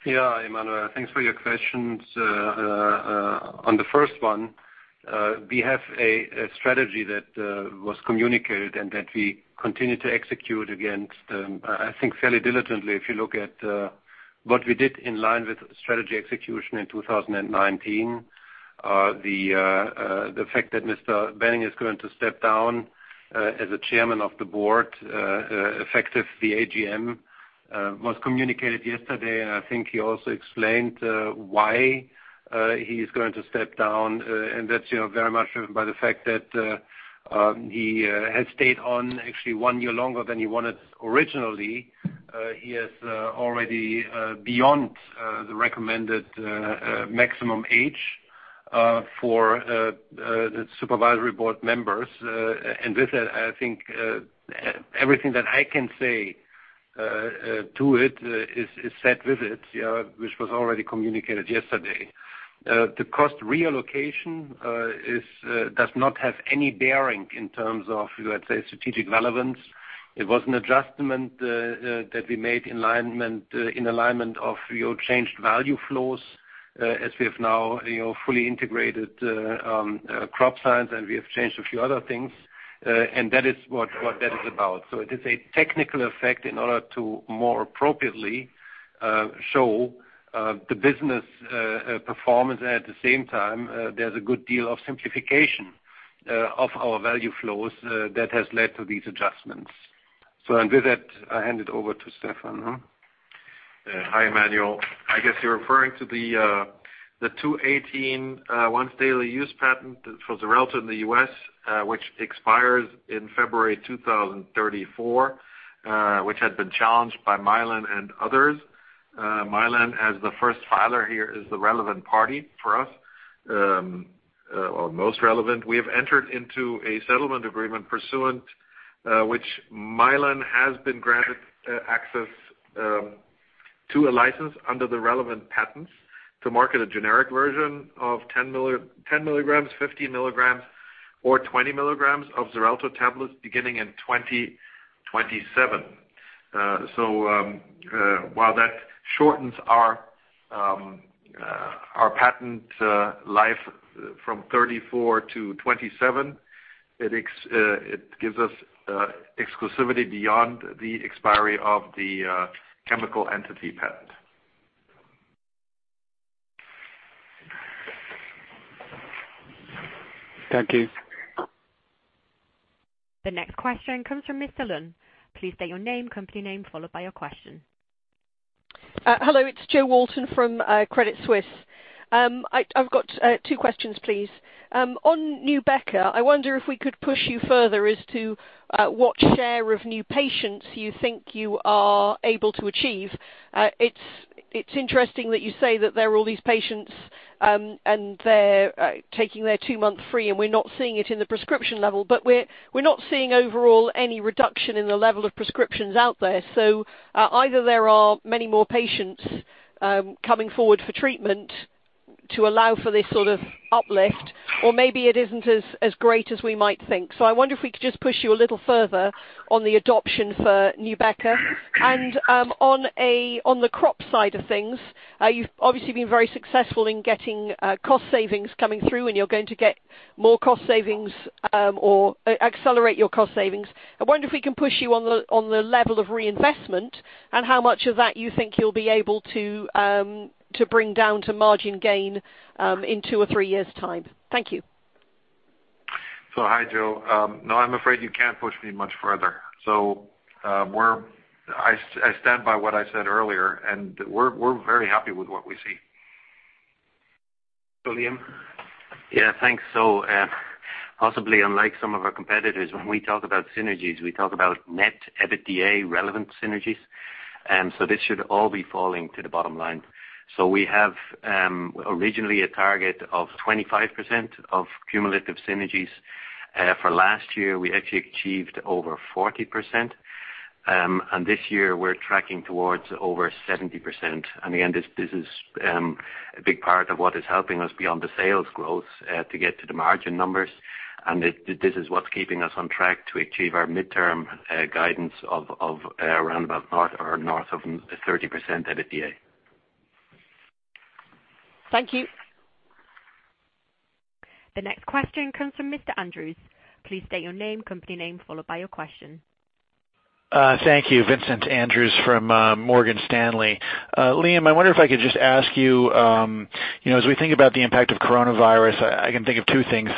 Yeah, Emmanuel, thanks for your questions. On the first one, we have a strategy that was communicated and that we continue to execute against, I think fairly diligently, if you look at what we did in line with strategy execution in 2019. The fact that Mr. Wenning is going to step down as the chairman of the board, effective the AGM, was communicated yesterday, I think he also explained why he's going to step down. That's very much driven by the fact that he has stayed on actually one year longer than he wanted originally. He is already beyond the recommended maximum age for the supervisory board members. With that, I think everything that I can say to it is said with it, which was already communicated yesterday. The cost reallocation does not have any bearing in terms of strategic relevance. It was an adjustment that we made in alignment of your changed value flows, as we have now fully integrated Crop Science, and we have changed a few other things. That is what that is about. It is a technical effect in order to more appropriately show the business performance. At the same time, there's a good deal of simplification of our value flows that has led to these adjustments. With that, I hand it over to Stefan? Yeah. Hi, Emmanuel. I guess you're referring to the 2018 once-daily use patent for Xarelto in the U.S., which expires in February 2034, which had been challenged by Mylan and others. Mylan as the first filer here, is the relevant party for us. Most relevant. We have entered into a settlement agreement pursuant which Mylan has been granted access to a license under the relevant patents to market a generic version of 10 mg, 15 mg or 20 mg of Xarelto tablets beginning in 2027. While that shortens our patent life from 2034 to 2027, it gives us exclusivity beyond the expiry of the chemical entity patent. Thank you. The next question comes from Mr. Lunn. Please state your name, company name, followed by your question. Hello, it's Jo Walton from Credit Suisse. I've got two questions, please. On Nubeqa, I wonder if we could push you further as to what share of new patients you think you are able to achieve. It's interesting that you say that there are all these patients, and they're taking their two months free, and we're not seeing it in the prescription level. We're not seeing overall any reduction in the level of prescriptions out there. Either there are many more patients coming forward for treatment to allow for this sort of uplift or maybe it isn't as great as we might think. I wonder if we could just push you a little further on the adoption for Nubeqa. On the Crop Science side of things, you've obviously been very successful in getting cost savings coming through and you're going to get more cost savings or accelerate your cost savings. I wonder if we can push you on the level of reinvestment and how much of that you think you'll be able to bring down to margin gain in two or three years' time. Thank you. Hi, Jo. No, I'm afraid you can't push me much further. I stand by what I said earlier, and we're very happy with what we see. Liam. Yeah, thanks. Possibly unlike some of our competitors, when we talk about synergies, we talk about net EBITDA relevant synergies. This should all be falling to the bottom line. We have originally a target of 25% of cumulative synergies. For last year, we actually achieved over 40%. This year we're tracking towards over 70%. In the end, this is a big part of what is helping us beyond the sales growth to get to the margin numbers. This is what's keeping us on track to achieve our midterm guidance of around about north or north of 30% EBITDA. Thank you. The next question comes from Mr. Andrews. Please state your name, company name, followed by your question. Thank you. Vincent Andrews from Morgan Stanley. Liam, I wonder if I could just ask you, as we think about the impact of coronavirus, I can think of two things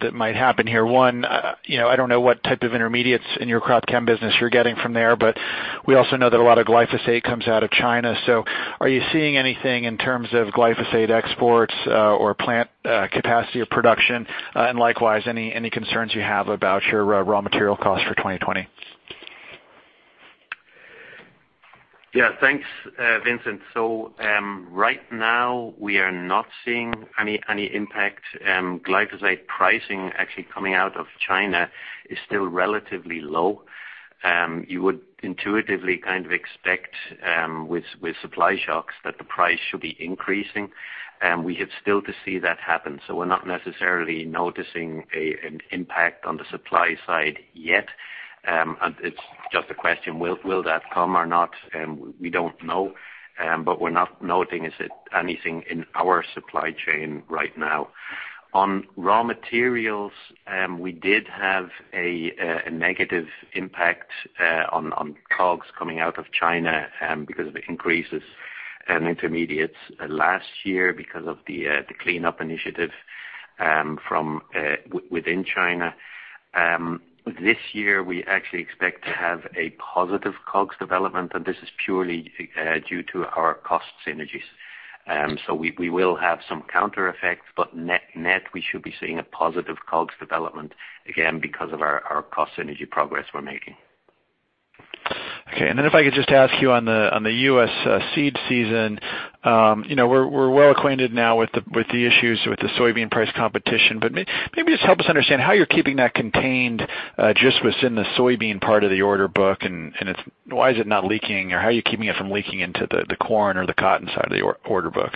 that might happen here. One, I don't know what type of intermediates in your crop chem business you're getting from there, but we also know that a lot of glyphosate comes out of China. Are you seeing anything in terms of glyphosate exports or plant capacity or production? Likewise, any concerns you have about your raw material costs for 2020? Yeah. Thanks, Vincent. Right now we are not seeing any impact. glyphosate pricing actually coming out of China is still relatively low. You would intuitively expect with supply shocks that the price should be increasing. We have still to see that happen, so we're not necessarily noticing an impact on the supply side yet. It's just a question, will that come or not? We don't know, but we're not noticing anything in our supply chain right now. On raw materials, we did have a negative impact on COGS coming out of China because of increases in intermediates last year because of the cleanup initiative from within China. This year we actually expect to have a positive COGS development, and this is purely due to our cost synergies. We will have some counter effects, but net, we should be seeing a positive COGS development, again, because of our cost synergy progress we're making. Okay. If I could just ask you on the U.S. seed season. We're well acquainted now with the issues with the soybean price competition. Maybe just help us understand how you're keeping that contained just within the soybean part of the order book, and why is it not leaking, or how are you keeping it from leaking into the corn or the cotton side of the order book?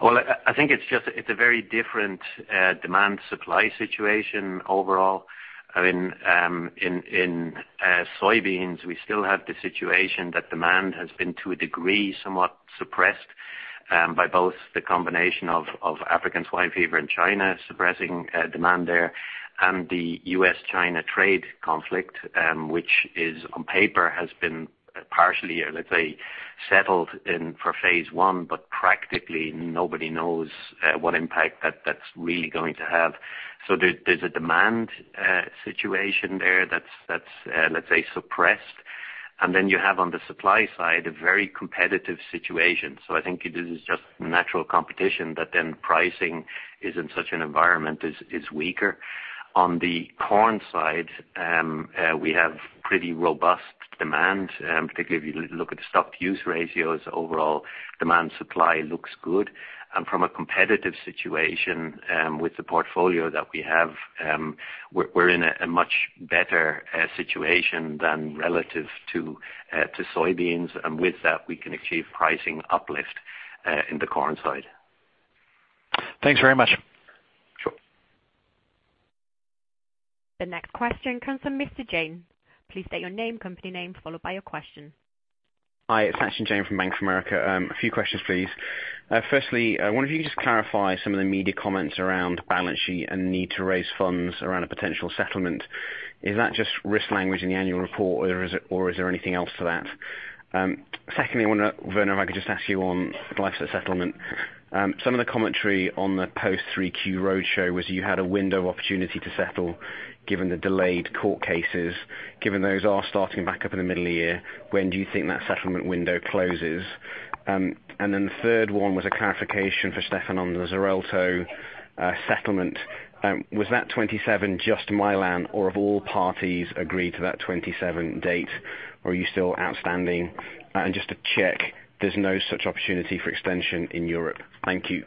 I think it's a very different demand-supply situation overall. In soybeans, we still have the situation that demand has been, to a degree, somewhat suppressed by both the combination of African swine fever in China suppressing demand there and the U.S.-China trade conflict which is, on paper, has been partially, let's say, settled for phase 1, but practically nobody knows what impact that's really going to have. There's a demand situation there that's, let's say, suppressed. You have, on the supply side, a very competitive situation. I think it is just natural competition that then pricing is in such an environment is weaker. On the corn side, we have pretty robust demand, particularly if you look at the stocks-to-use ratio. Overall demand supply looks good. From a competitive situation with the portfolio that we have, we're in a much better situation than relative to soybeans. With that, we can achieve pricing uplift in the corn side. Thanks very much. Sure. The next question comes from Mr. Jain. Please state your name, company name, followed by your question. Hi, it's Sachin Jain from Bank of America. A few questions, please. Firstly, I wonder if you could just clarify some of the media comments around balance sheet and need to raise funds around a potential settlement. Is that just risk language in the annual report, or is there anything else to that? Secondly, I wonder, Werner, if I could just ask you on glyphosate settlement. Some of the commentary on the post 3Q roadshow was you had a window of opportunity to settle given the delayed court cases. Given those are starting back up in the middle of the year, when do you think that settlement window closes? The third one was a clarification for Stefan on the Xarelto settlement. Was that 27 just Mylan, or have all parties agreed to that 27 date? Are you still outstanding? Just to check, there's no such opportunity for extension in Europe. Thank you.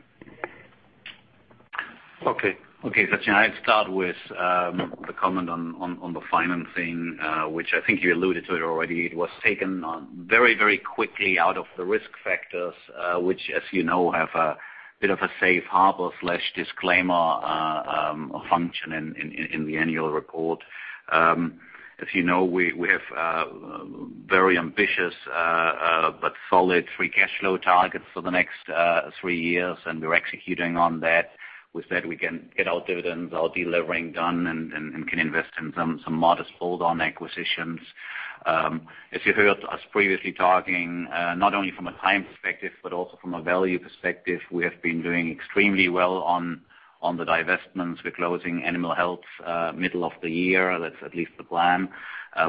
Okay. Sachin, I start with the comment on the finance thing, which I think you alluded to it already. It was taken very quickly out of the risk factors, which, as you know, have a bit of a safe harbor/disclaimer function in the annual report. As you know, we have very ambitious but solid free cash flow targets for the next three years, and we're executing on that. With that, we can get our dividends, our delivering done, and can invest in some modest hold on acquisitions. As you heard us previously talking, not only from a time perspective but also from a value perspective, we have been doing extremely well on the divestments. We're closing Animal Health middle of the year. That's at least the plan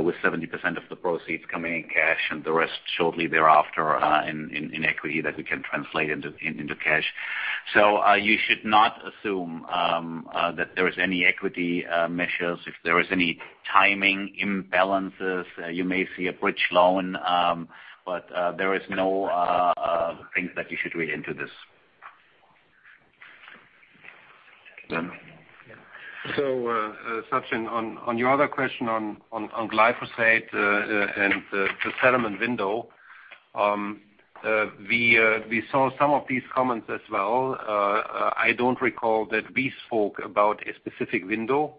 with 70% of the proceeds coming in cash and the rest shortly thereafter in equity that we can translate into cash. You should not assume that there is any equity measures. If there is any timing imbalances, you may see a bridge loan, but there is no things that you should read into this. Werner? Sachin, on your other question on glyphosate and the settlement window. We saw some of these comments as well. I don't recall that we spoke about a specific window.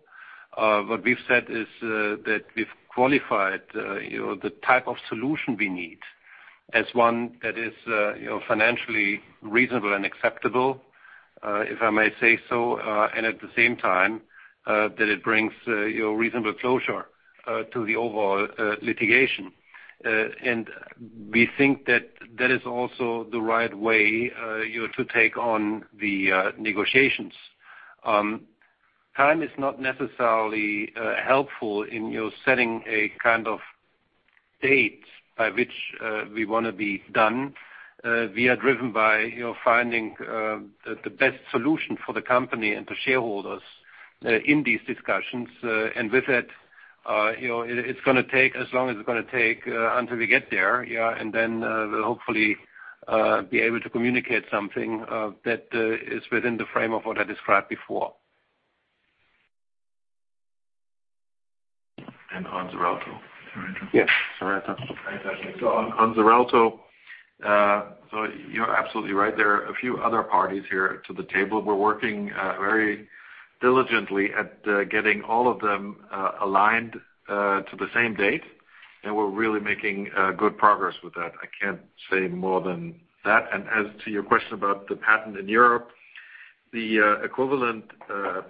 What we've said is that we've qualified the type of solution we need as one that is financially reasonable and acceptable, if I may say so, and at the same time that it brings reasonable closure to the overall litigation. We think that that is also the right way to take on the negotiations. Time is not necessarily helpful in setting a kind of date by which we want to be done. We are driven by finding the best solution for the company and the shareholders. In these discussions. With it's going to take as long as it's going to take until we get there. Yeah. Then we'll hopefully be able to communicate something that is within the frame of what I described before. On Xarelto. Yes, Xarelto. On Xarelto, you're absolutely right. There are a few other parties here to the table. We're working very diligently at getting all of them aligned to the same date, and we're really making good progress with that. I can't say more than that. As to your question about the patent in Europe, the equivalent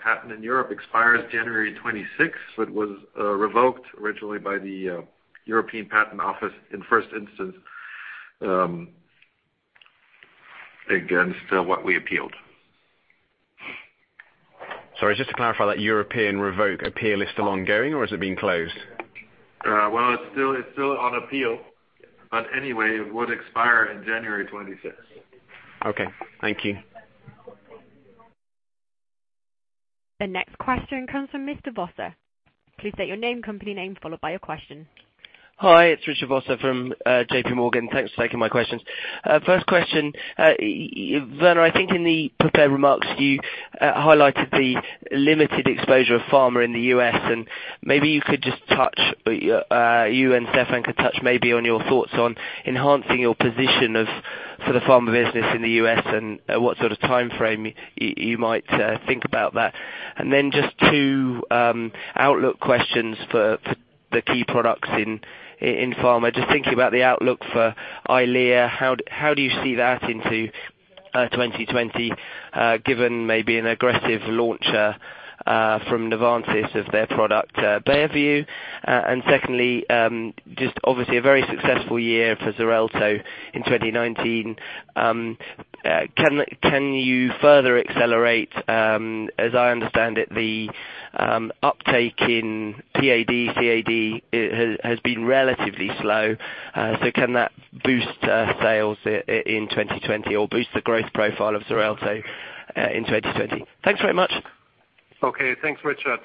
patent in Europe expires January 2026, but was revoked originally by the European Patent Office in first instance against what we appealed. Sorry, just to clarify, that European revoke appeal is still ongoing, or has it been closed? Well, it is still on appeal, but anyway, it would expire in January 2026. Okay. Thank you. The next question comes from Mr. Vosser. Please state your name, company name, followed by your question. Hi, it's Richard Vosser from JPMorgan. Thanks for taking my questions. First question. Werner, I think in the prepared remarks you highlighted the limited exposure of Pharmaceuticals in the U.S., and maybe you could just touch, you and Stefan could touch maybe on your thoughts on enhancing your position for the Pharmaceuticals business in the U.S. and what sort of timeframe you might think about that. Then just two outlook questions for the key products in Pharmaceuticals. Just thinking about the outlook for EYLEA, how do you see that into 2020, given maybe an aggressive launch from Novartis of their product, Beovu? Secondly, just obviously a very successful year for Xarelto in 2019. Can you further accelerate, as I understand it, the uptake in PAD, CAD has been relatively slow, so can that boost sales in 2020 or boost the growth profile of Xarelto in 2020? Thanks very much. Okay. Thanks, Richard.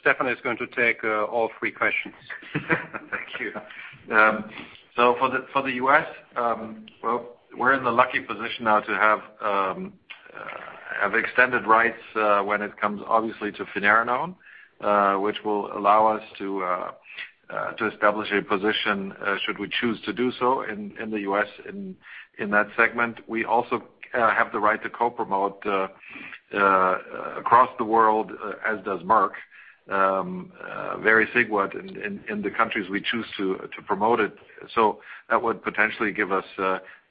Stefan is going to take all three questions. Thank you. For the U.S., well, we're in the lucky position now to have extended rights when it comes obviously to finerenone, which will allow us to establish a position, should we choose to do so in the U.S. in that segment. We also have the right to co-promote across the world, as does Merck, vericiguat in the countries we choose to promote it. That would potentially give us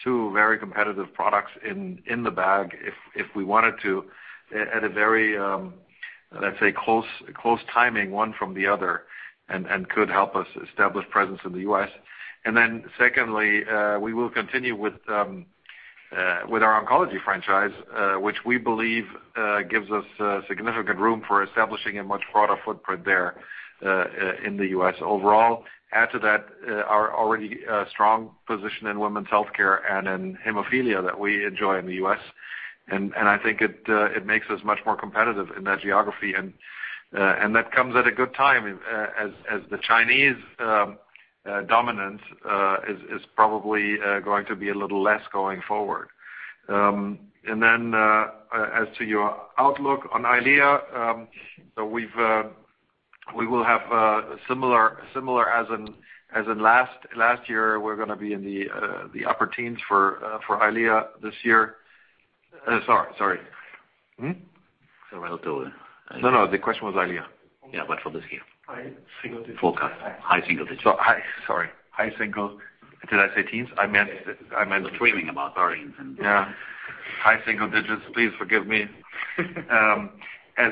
two very competitive products in the bag if we wanted to, at a very, let's say, close timing, one from the other and could help us establish presence in the U.S. Secondly, we will continue with our oncology franchise, which we believe gives us significant room for establishing a much broader footprint there in the U.S. overall. Add to that our already strong position in women's healthcare and in hemophilia that we enjoy in the U.S., and I think it makes us much more competitive in that geography. That comes at a good time as the Chinese dominance is probably going to be a little less going forward. As to your outlook on EYLEA, we will have similar as in last year, we're going to be in the upper teens for EYLEA this year. Sorry. Xarelto. No, the question was EYLEA. Yeah, for this year. High single digits. Forecast. High single digits. Sorry, high single. Did I say teens? You're dreaming about that. Yeah. High single digits, please forgive me. As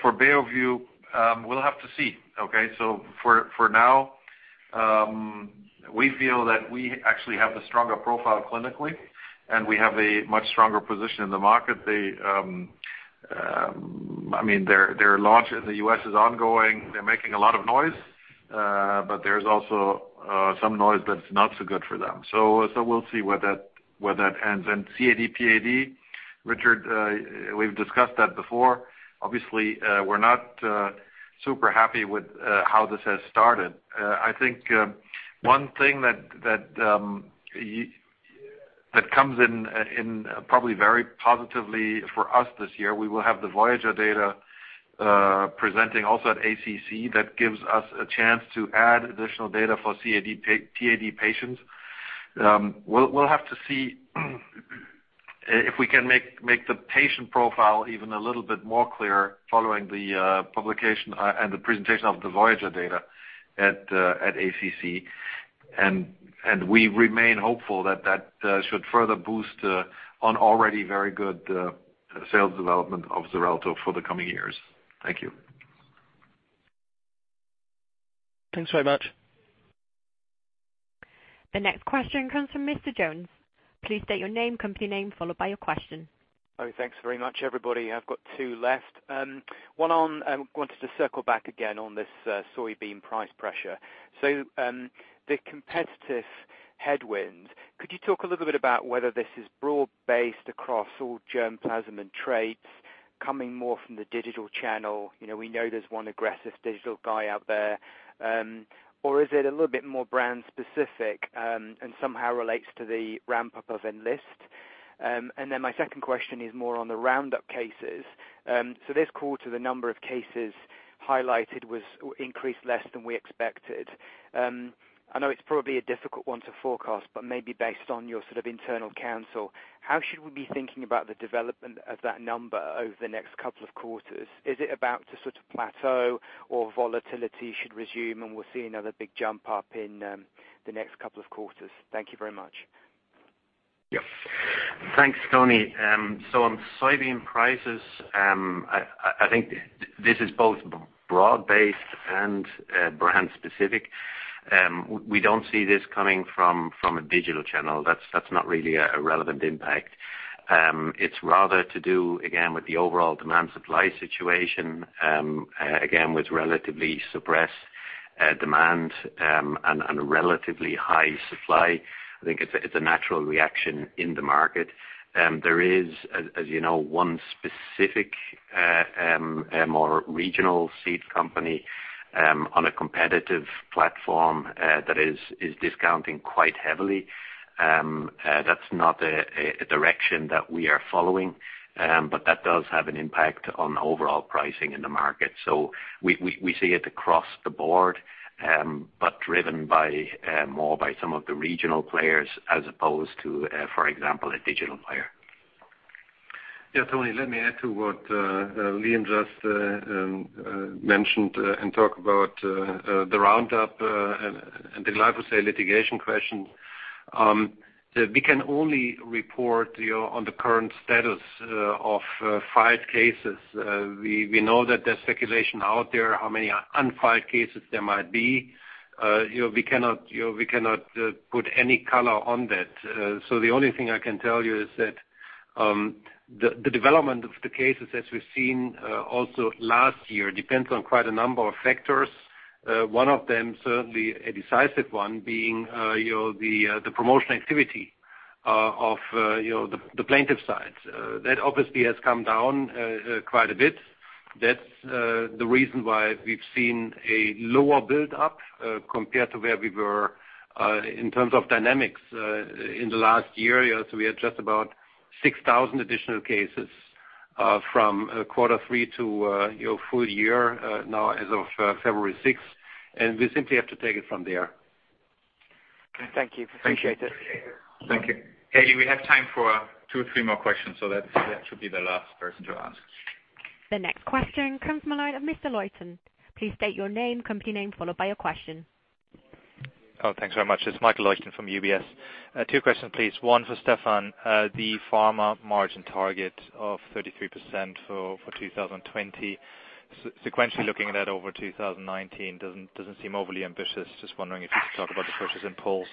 for Beovu, we'll have to see, okay. For now we feel that we actually have the stronger profile clinically, and we have a much stronger position in the market. Their launch in the U.S. is ongoing. They're making a lot of noise. There's also some noise that's not so good for them. We'll see where that ends. CAD PAD, Richard, we've discussed that before. Obviously, we're not super happy with how this has started. I think one thing that comes in probably very positively for us this year, we will have the VOYAGER data presenting also at ACC. That gives us a chance to add additional data for CAD PAD patients. We'll have to see if we can make the patient profile even a little bit more clear following the publication and the presentation of the VOYAGER data at ACC. We remain hopeful that that should further boost on already very good sales development of Xarelto for the coming years. Thank you. Thanks very much. The next question comes from Mr. Jones. Please state your name, company name, followed by your question. All right. Thanks very much, everybody. I've got two left. One on, I wanted to circle back again on this soybean price pressure, the competitive headwinds. Could you talk a little bit about whether this is broad-based across all germplasm and traits coming more from the digital channel? We know there's one aggressive digital guy out there. Is it a little bit more brand specific, and somehow relates to the ramp-up of Enlist? My second question is more on the Roundup cases. This quarter, the number of cases highlighted increased less than we expected. I know it's probably a difficult one to forecast, but maybe based on your sort of internal counsel, how should we be thinking about the development of that number over the next couple of quarters? Is it about to sort of plateau or volatility should resume, and we'll see another big jump up in the next couple of quarters? Thank you very much. Yeah. Thanks, Tony. On soybean prices, I think this is both broad-based and brand specific. We don't see this coming from a digital channel. That's not really a relevant impact. It's rather to do, again, with the overall demand-supply situation, again, with relatively suppressed demand and a relatively high supply. I think it's a natural reaction in the market. There is, as you know, one specific, more regional seed company on a competitive platform that is discounting quite heavily. That's not a direction that we are following. That does have an impact on overall pricing in the market. We see it across the board, but driven more by some of the regional players as opposed to, for example, a digital player. Tony, let me add to what Liam just mentioned and talk about the Roundup and the glyphosate litigation question. We can only report on the current status of filed cases. We know that there is speculation out there how many unfiled cases there might be. We cannot put any color on that. The only thing I can tell you is that the development of the cases as we have seen also last year, depends on quite a number of factors. One of them, certainly a decisive one being, the promotional activity of the plaintiff sides. That obviously has come down quite a bit. That is the reason why we have seen a lower build up compared to where we were in terms of dynamics in the last year. We had just about 6,000 additional cases from quarter three to full year now as of February 6th, and we simply have to take it from there. Thank you. Appreciate it. Thank you. Haley, we have time for two or three more questions. That should be the last person to ask. The next question comes from the line of Mr. Leuchten. Please state your name, company name, followed by your question. Thanks very much. It's Michael Leuchten from UBS. Two questions, please. One for Stefan Oelrich. The pharma margin target of 33% for 2020. Sequentially looking at that over 2019 doesn't seem overly ambitious. Just wondering if you could talk about the purchase impulse.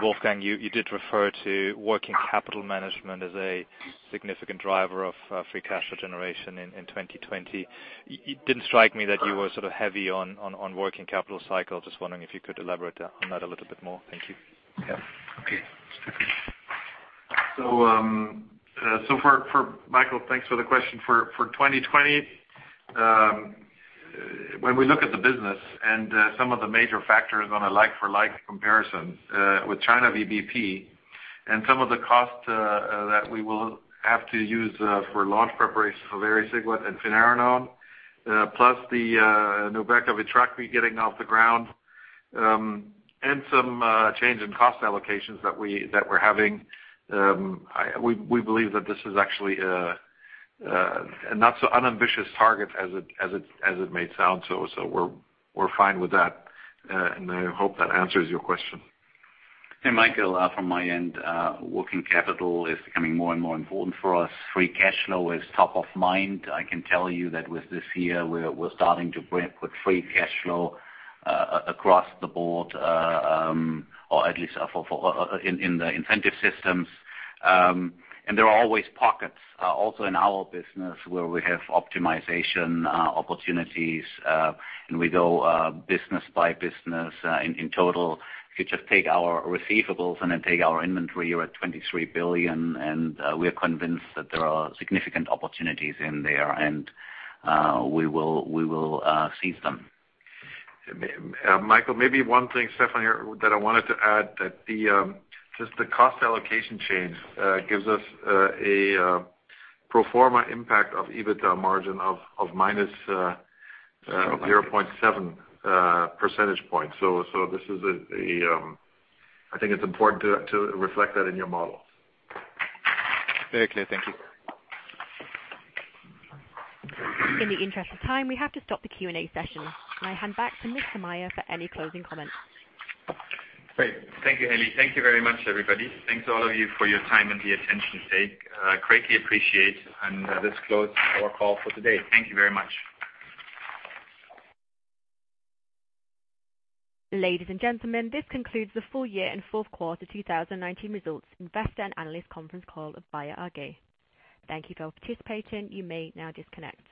Wolfgang Nickl, you did refer to working capital management as a significant driver of free cash flow generation in 2020. It didn't strike me that you were sort of heavy on working capital cycle. Just wondering if you could elaborate on that a little bit more. Thank you. Yeah. Okay. For Michael, thanks for the question. For 2020, when we look at the business and some of the major factors on a like-for-like comparison with China VBP and some of the costs that we will have to use for launch preparation for vericiguat and finerenone, plus the Nubeqa with Vitrakvi getting off the ground, and some change in cost allocations that we're having. We believe that this is actually a not so unambitious target as it may sound. We're fine with that. I hope that answers your question. Hey, Michael, from my end, working capital is becoming more and more important for us. Free cash flow is top of mind. I can tell you that with this year, we're starting to put free cash flow across the board, or at least in the incentive systems. There are always pockets also in our business where we have optimization opportunities, and we go business by business. In total, if you just take our receivables and then take our inventory, you're at 23 billion, and we're convinced that there are significant opportunities in there, and we will seize them. Michael, maybe one thing, Stefan here, that I wanted to add that just the cost allocation change gives us a pro forma impact of EBITDA margin of -0.7 percentage points. I think it's important to reflect that in your model. Very clear. Thank you. In the interest of time, we have to stop the Q&A session. I hand back to Mr. Maier for any closing comments. Great. Thank you, Haley. Thank you very much, everybody. Thanks all of you for your time and the attention paid. Greatly appreciate and this closes our call for today. Thank you very much. Ladies and gentlemen, this concludes the full year and fourth quarter 2019 results investor and analyst conference call of Bayer AG. Thank you for participating. You may now disconnect.